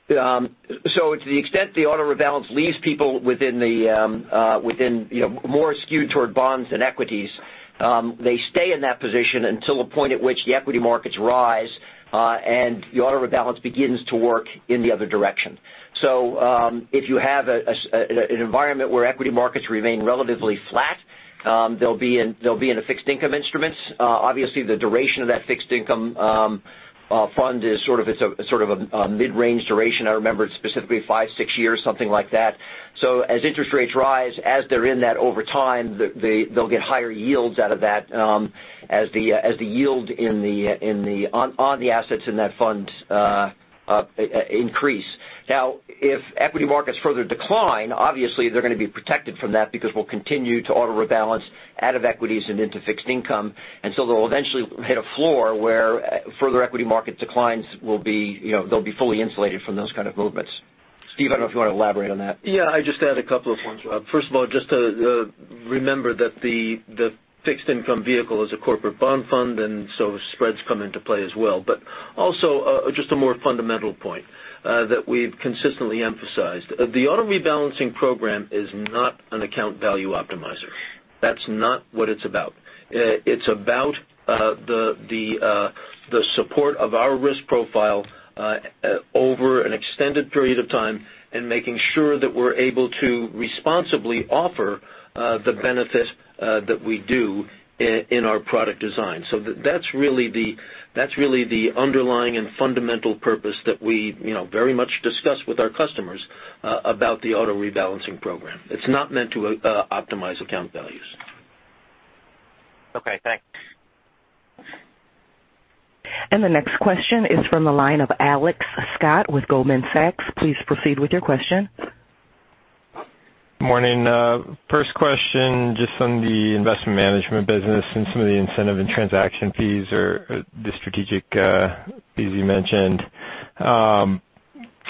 To the extent the auto rebalance leaves people more skewed toward bonds than equities, they stay in that position until a point at which the equity markets rise, the auto rebalance begins to work in the other direction. If you have an environment where equity markets remain relatively flat, they'll be in a fixed income instruments. Obviously, the duration of that fixed income fund is sort of a mid-range duration. I remember it specifically five, six years, something like that. As interest rates rise, as they're in that over time, they'll get higher yields out of that as the yield on the assets in that fund increase. If equity markets further decline, obviously they're going to be protected from that because we'll continue to auto rebalance out of equities and into fixed income. They'll eventually hit a floor where further equity market declines will be fully insulated from those kind of movements. Steve, I don't know if you want to elaborate on that. Yeah, I'd just add a couple of points, Rob. First of all, just to remember that the fixed income vehicle is a corporate bond fund, spreads come into play as well. Also, just a more fundamental point that we've consistently emphasized. The auto rebalancing program is not an account value optimizer. That's not what it's about. It's about the support of our risk profile over an extended period of time and making sure that we're able to responsibly offer the benefit that we do in our product design. That's really the underlying and fundamental purpose that we very much discuss with our customers about the auto rebalancing program. It's not meant to optimize account values. Okay, thanks. The next question is from the line of Alex Scott with Goldman Sachs. Please proceed with your question. Morning. First question, just on the investment management business and some of the incentive and transaction fees or the strategic fees you mentioned. Can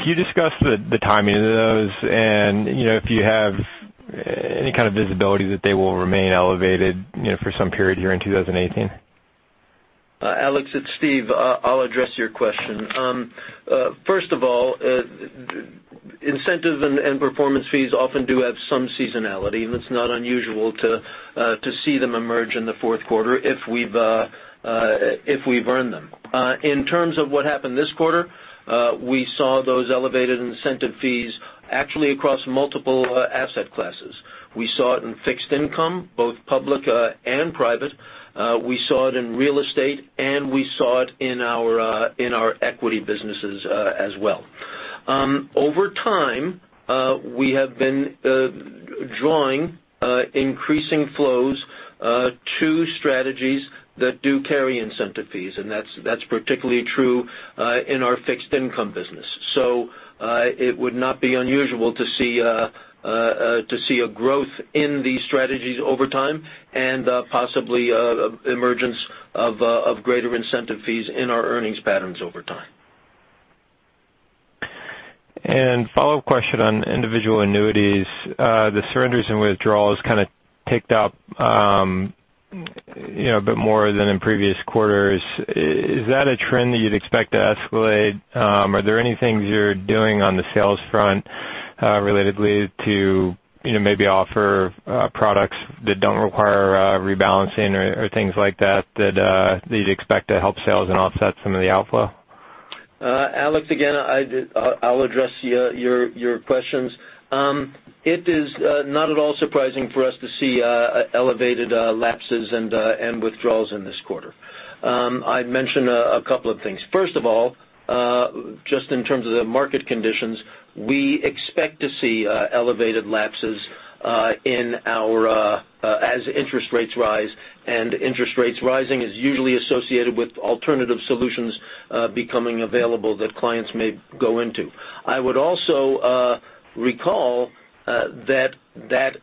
you discuss the timing of those and if you have any kind of visibility that they will remain elevated for some period here in 2018? Alex, it's Steve. I'll address your question. First of all, incentive and performance fees often do have some seasonality, and it's not unusual to see them emerge in the fourth quarter if we've earned them. In terms of what happened this quarter, we saw those elevated incentive fees actually across multiple asset classes. We saw it in fixed income, both public and private. We saw it in real estate, and we saw it in our equity businesses as well. Over time, we have been drawing increasing flows to strategies that do carry incentive fees, and that's particularly true in our fixed income business. It would not be unusual to see a growth in these strategies over time and possibly emergence of greater incentive fees in our earnings patterns over time. Follow-up question on individual annuities. The surrenders and withdrawals kind of picked up a bit more than in previous quarters. Is that a trend that you'd expect to escalate? Are there any things you're doing on the sales front relatedly to maybe offer products that don't require rebalancing or things like that you'd expect to help sales and offset some of the outflow? Alex, again, I'll address your questions. It is not at all surprising for us to see elevated lapses and withdrawals in this quarter. I'd mention a couple of things. First of all, just in terms of the market conditions, we expect to see elevated lapses as interest rates rise, and interest rates rising is usually associated with alternative solutions becoming available that clients may go into. I would also recall that that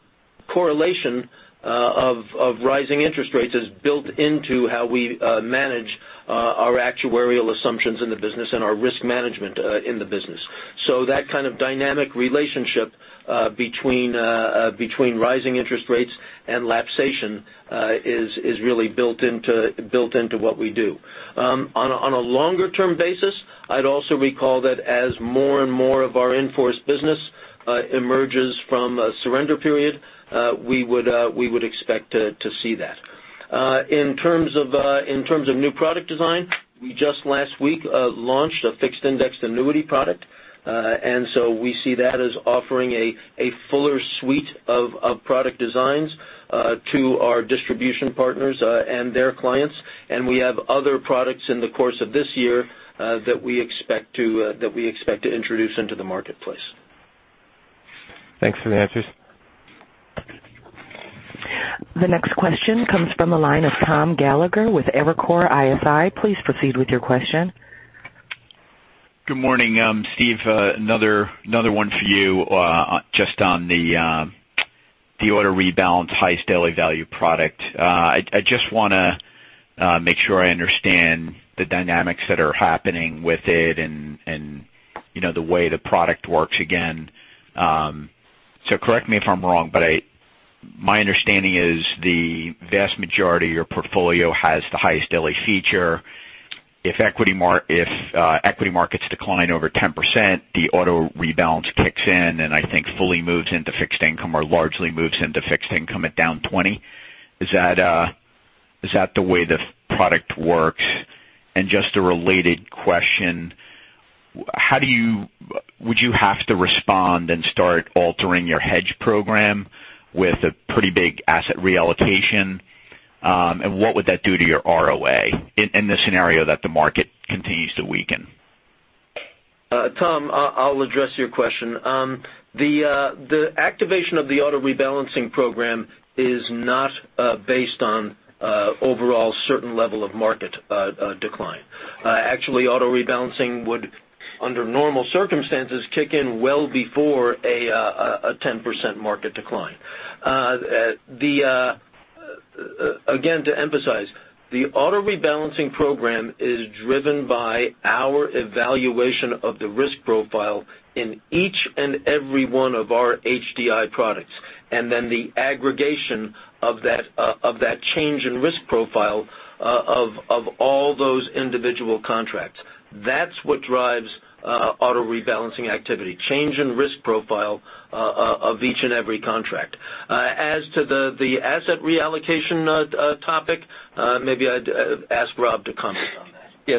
correlation of rising interest rates is built into how we manage our actuarial assumptions in the business and our risk management in the business. That kind of dynamic relationship between rising interest rates and lapsation is really built into what we do. On a longer-term basis, I'd also recall that as more and more of our in-force business emerges from a surrender period, we would expect to see that. In terms of new product design, we just last week launched a fixed indexed annuity product. We see that as offering a fuller suite of product designs to our distribution partners and their clients, and we have other products in the course of this year that we expect to introduce into the marketplace. Thanks for the answers. The next question comes from the line of Thomas Gallagher with Evercore ISI. Please proceed with your question. Good morning. Steve, another one for you, just on the auto rebalance highest daily value product. I just want to make sure I understand the dynamics that are happening with it and the way the product works again. Correct me if I'm wrong, but my understanding is the vast majority of your portfolio has the highest daily feature. If equity markets decline over 10%, the auto rebalance kicks in and I think fully moves into fixed income or largely moves into fixed income at down 20%. Is that the way the product works? Just a related question, would you have to respond and start altering your hedge program with a pretty big asset reallocation? What would that do to your ROA in the scenario that the market continues to weaken? Tom, I'll address your question. The activation of the auto rebalancing program is not based on overall certain level of market decline. Actually, auto rebalancing would, under normal circumstances, kick in well before a 10% market decline. Again, to emphasize, the auto rebalancing program is driven by our evaluation of the risk profile in each and every one of our HDI products, and then the aggregation of that change in risk profile of all those individual contracts. That's what drives auto rebalancing activity, change in risk profile of each and every contract. As to the asset reallocation topic, maybe I'd ask Rob to comment on that. Yeah.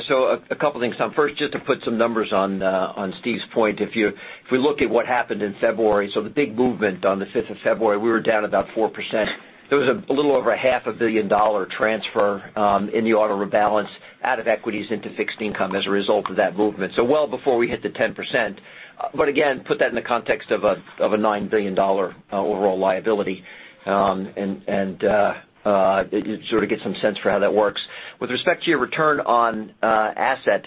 A couple of things, Tom. First, just to put some numbers on Steve's point. If we look at what happened in February, the big movement on the 5th of February, we were down about 4%. There was a little over a half a billion dollar transfer in the auto rebalance out of equities into fixed income as a result of that movement. Well before we hit the 10%. Again, put that in the context of a $9 billion overall liability, and you sort of get some sense for how that works. With respect to your return on asset,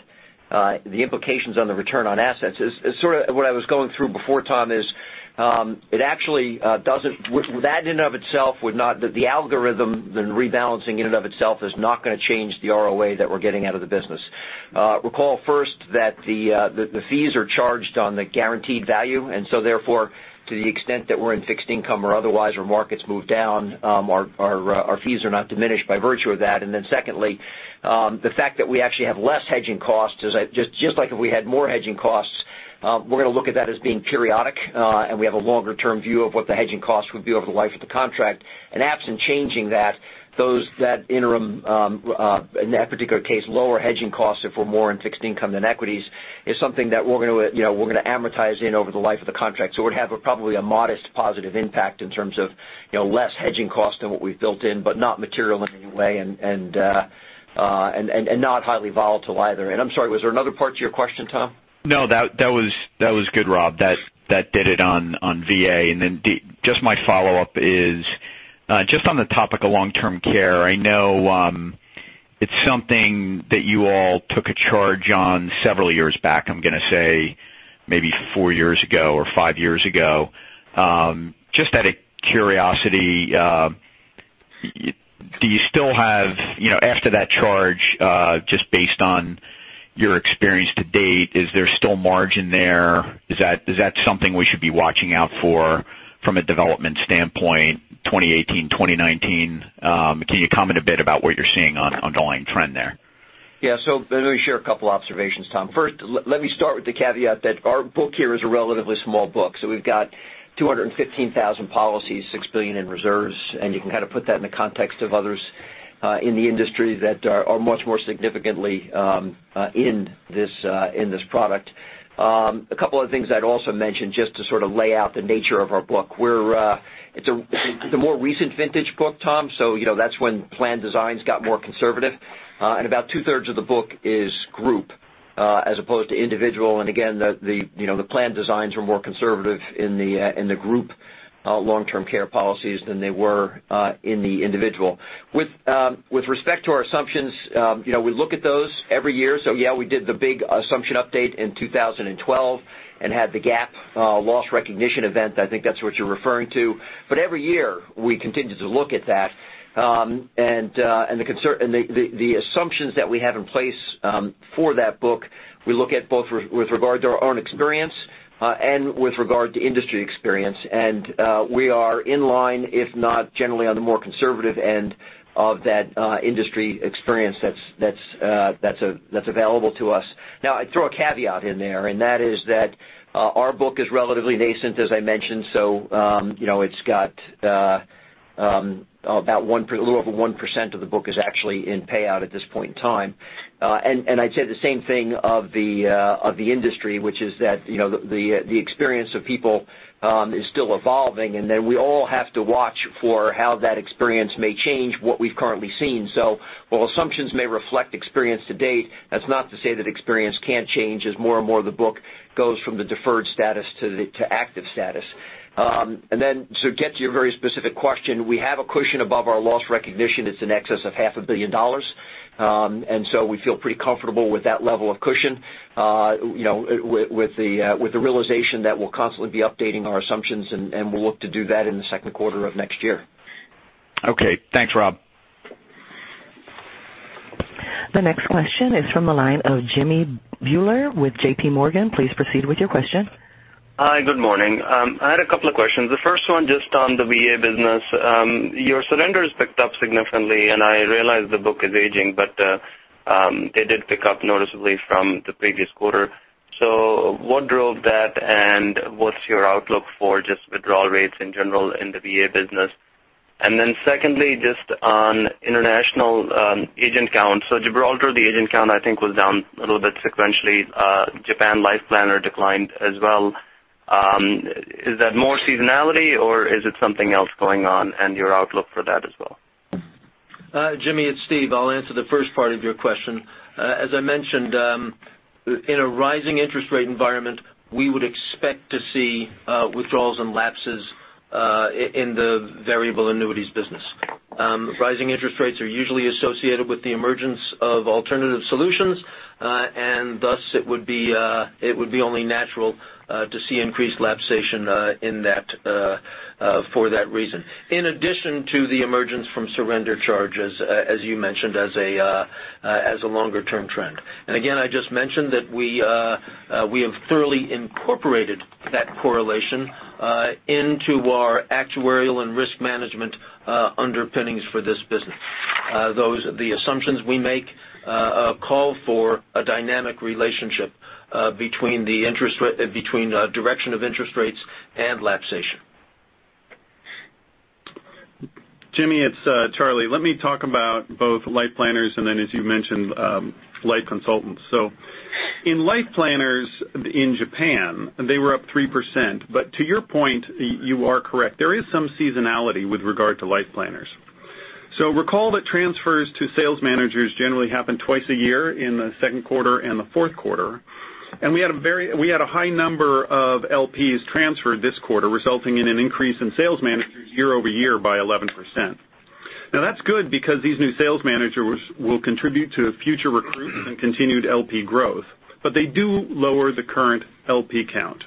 the implications on the return on assets is sort of what I was going through before, Tom, is that in and of itself, the algorithm, the rebalancing in and of itself is not going to change the ROA that we're getting out of the business. Recall first that the fees are charged on the guaranteed value, therefore, to the extent that we're in fixed income or otherwise where markets move down, our fees are not diminished by virtue of that. Then secondly, the fact that we actually have less hedging costs is just like if we had more hedging costs, we're going to look at that as being periodic, and we have a longer-term view of what the hedging costs would be over the life of the contract. Absent changing that, in that particular case, lower hedging costs if we're more in fixed income than equities, is something that we're going to amortize in over the life of the contract. It would have probably a modest positive impact in terms of less hedging cost than what we've built in, but not material in any way and not highly volatile either. I'm sorry, was there another part to your question, Tom? No, that was good, Rob. That did it on VA. Just my follow-up is just on the topic of long-term care. I know it's something that you all took a charge on several years back, I'm going to say maybe four years ago or five years ago. Just out of curiosity, do you still have, after that charge, just based on your experience to date, is there still margin there? Is that something we should be watching out for from a development standpoint, 2018, 2019? Can you comment a bit about what you're seeing on ongoing trend there? Yeah. Let me share a couple observations, Tom. First, let me start with the caveat that our book here is a relatively small book. We've got 215,000 policies, six billion in reserves, and you can kind of put that in the context of others in the industry that are much more significantly in this product. A couple of things I'd also mention just to sort of lay out the nature of our book. It's a more recent vintage book, Tom, so that's when plan designs got more conservative. About two-thirds of the book is group, as opposed to individual. Again, the plan designs are more conservative in the group long-term care policies than they were in the individual. With respect to our assumptions, we look at those every year. Yeah, we did the big assumption update in 2012 and had the GAAP loss recognition event. I think that's what you're referring to. Every year, we continue to look at that. The assumptions that we have in place for that book, we look at both with regard to our own experience and with regard to industry experience. We are in line, if not generally on the more conservative end of that industry experience that's available to us. Now, I throw a caveat in there, and that is that our book is relatively nascent, as I mentioned, so a little over 1% of the book is actually in payout at this point in time. I'd say the same thing of the industry, which is that the experience of people is still evolving, and that we all have to watch for how that experience may change what we've currently seen. While assumptions may reflect experience to date, that's not to say that experience can't change as more and more of the book goes from the deferred status to active status. To get to your very specific question, we have a cushion above our loss recognition that's in excess of half a billion dollars. We feel pretty comfortable with that level of cushion with the realization that we'll constantly be updating our assumptions, and we'll look to do that in the second quarter of next year. Okay. Thanks, Rob. The next question is from the line of Jimmy Bhullar with J.P. Morgan. Please proceed with your question. Hi, good morning. I had a couple of questions. The first one just on the VA business. Your surrenders picked up significantly, and I realize the book is aging, but they did pick up noticeably from the previous quarter. What drove that, and what's your outlook for just withdrawal rates in general in the VA business? Secondly, just on international agent count. Gibraltar, the agent count, I think, was down a little bit sequentially. Japan LifePlanner declined as well. Is that more seasonality, or is it something else going on, and your outlook for that as well? Jimmy, it's Steve. I'll answer the first part of your question. As I mentioned, in a rising interest rate environment, we would expect to see withdrawals and lapses in the variable annuities business. Rising interest rates are usually associated with the emergence of alternative solutions, and thus it would be only natural to see increased lapsation for that reason. In addition to the emergence from surrender charges, as you mentioned, as a longer-term trend. Again, I just mentioned that we have thoroughly incorporated that correlation into our actuarial and risk management underpinnings for this business. The assumptions we make call for a dynamic relationship between direction of interest rates and lapsation. Jimmy, it's Charlie. Let me talk about both LifePlanners and then as you mentioned, life consultants. In LifePlanners in Japan, they were up 3%, but to your point, you are correct. There is some seasonality with regard to LifePlanners. Recall that transfers to sales managers generally happen twice a year in the second quarter and the fourth quarter. We had a high number of LPs transferred this quarter, resulting in an increase in sales managers year-over-year by 11%. That's good because these new sales managers will contribute to future recruitment and continued LP growth, but they do lower the current LP count.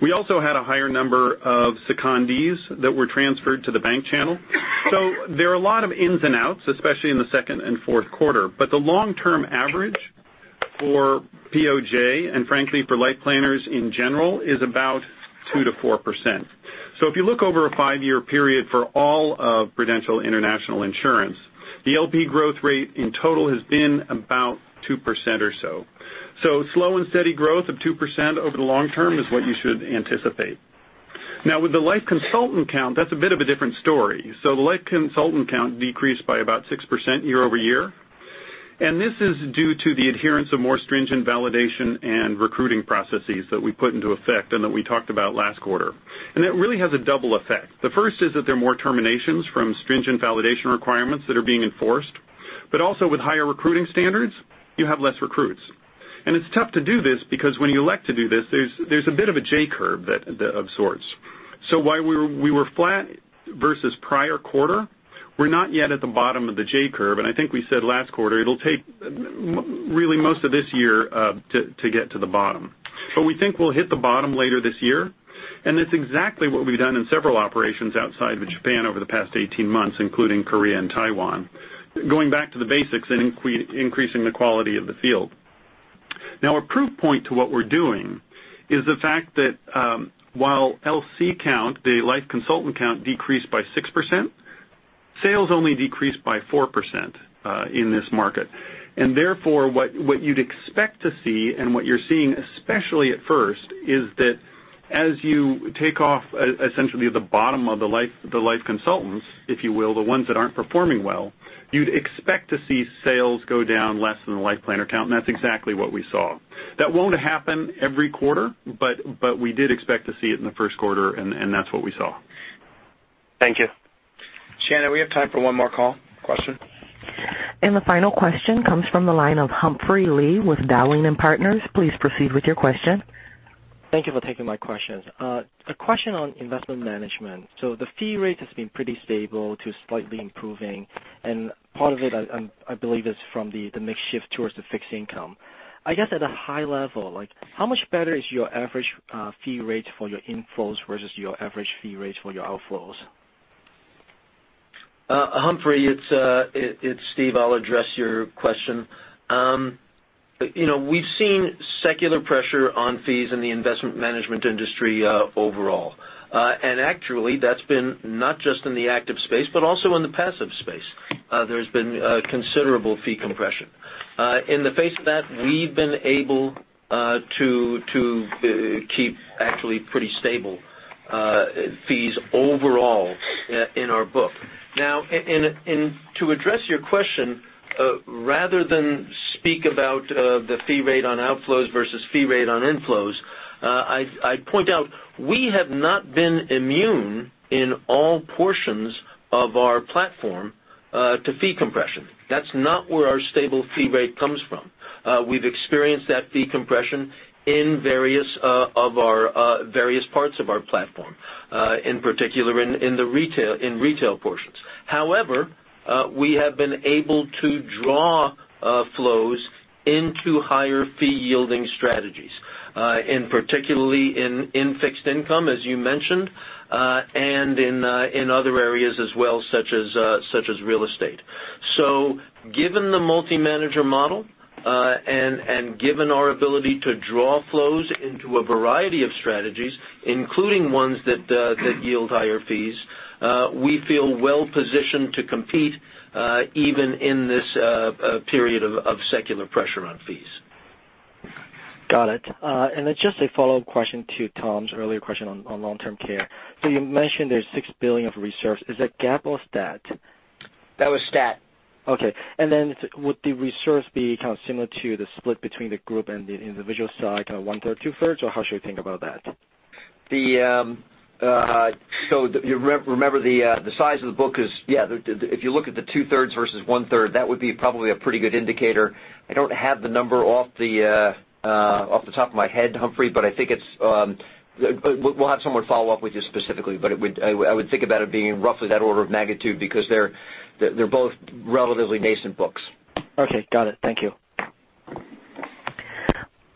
We also had a higher number of secondees that were transferred to the bank channel. There are a lot of ins and outs, especially in the second and fourth quarter, but the long-term average for POJ, and frankly for LifePlanners in general, is about 2%-4%. If you look over a five-year period for all of International Insurance division, the LP growth rate in total has been about 2% or so. Slow and steady growth of 2% over the long term is what you should anticipate. With the life consultant count, that's a bit of a different story. The life consultant count decreased by about 6% year-over-year. This is due to the adherence of more stringent validation and recruiting processes that we put into effect and that we talked about last quarter. That really has a double effect. The first is that there are more terminations from stringent validation requirements that are being enforced, but also with higher recruiting standards, you have less recruits. It's tough to do this because when you elect to do this, there's a bit of a J curve of sorts. While we were flat versus prior quarter, we're not yet at the bottom of the J curve, and I think we said last quarter it'll take really most of this year to get to the bottom. We think we'll hit the bottom later this year. It's exactly what we've done in several operations outside of Japan over the past 18 months, including Korea and Taiwan. Going back to the basics and increasing the quality of the field. Now, a proof point to what we're doing is the fact that while LC count, the life consultant count, decreased by 6%, sales only decreased by 4% in this market. Therefore, what you'd expect to see, and what you're seeing, especially at first, is that as you take off essentially the bottom of the life consultants, if you will, the ones that aren't performing well, you'd expect to see sales go down less than the LifePlanner count, and that's exactly what we saw. That won't happen every quarter, but we did expect to see it in the first quarter, and that's what we saw. Thank you. Shannon, we have time for one more call, question. The final question comes from the line of Humphrey Lee with Dowling & Partners. Please proceed with your question. Thank you for taking my questions. A question on investment management. The fee rate has been pretty stable to slightly improving, and part of it, I believe, is from the mix shift towards the fixed income. I guess at a high level, how much better is your average fee rate for your inflows versus your average fee rate for your outflows? Humphrey, it's Steve. I'll address your question. We've seen secular pressure on fees in the investment management industry overall. Actually, that's been not just in the active space, but also in the passive space. There's been considerable fee compression. In the face of that, we've been able to keep actually pretty stable fees overall in our book. To address your question, rather than speak about the fee rate on outflows versus fee rate on inflows, I'd point out we have not been immune in all portions of our platform to fee compression. That's not where our stable fee rate comes from. We've experienced that fee compression in various parts of our platform, in particular in retail portions. However, we have been able to draw flows into higher fee-yielding strategies, and particularly in fixed income, as you mentioned, and in other areas as well, such as real estate. Given the multi-manager model, and given our ability to draw flows into a variety of strategies, including ones that yield higher fees, we feel well-positioned to compete even in this period of secular pressure on fees. Got it. Just a follow-up question to Tom's earlier question on long-term care. You mentioned there's $6 billion of reserves. Is that GAAP or STAT? That was STAT. Then would the reserves be kind of similar to the split between the group and the individual side, kind of one-third, two-thirds, or how should we think about that? Remember the size of the book is, if you look at the two-thirds versus one-third, that would be probably a pretty good indicator. I don't have the number off the top of my head, Humphrey, we'll have someone follow up with you specifically. I would think about it being roughly that order of magnitude because they're both relatively nascent books. Okay, got it. Thank you.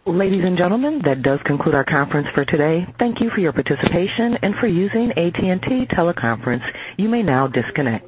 Ladies and gentlemen, that does conclude our conference for today. Thank you for your participation and for using AT&T Teleconference. You may now disconnect.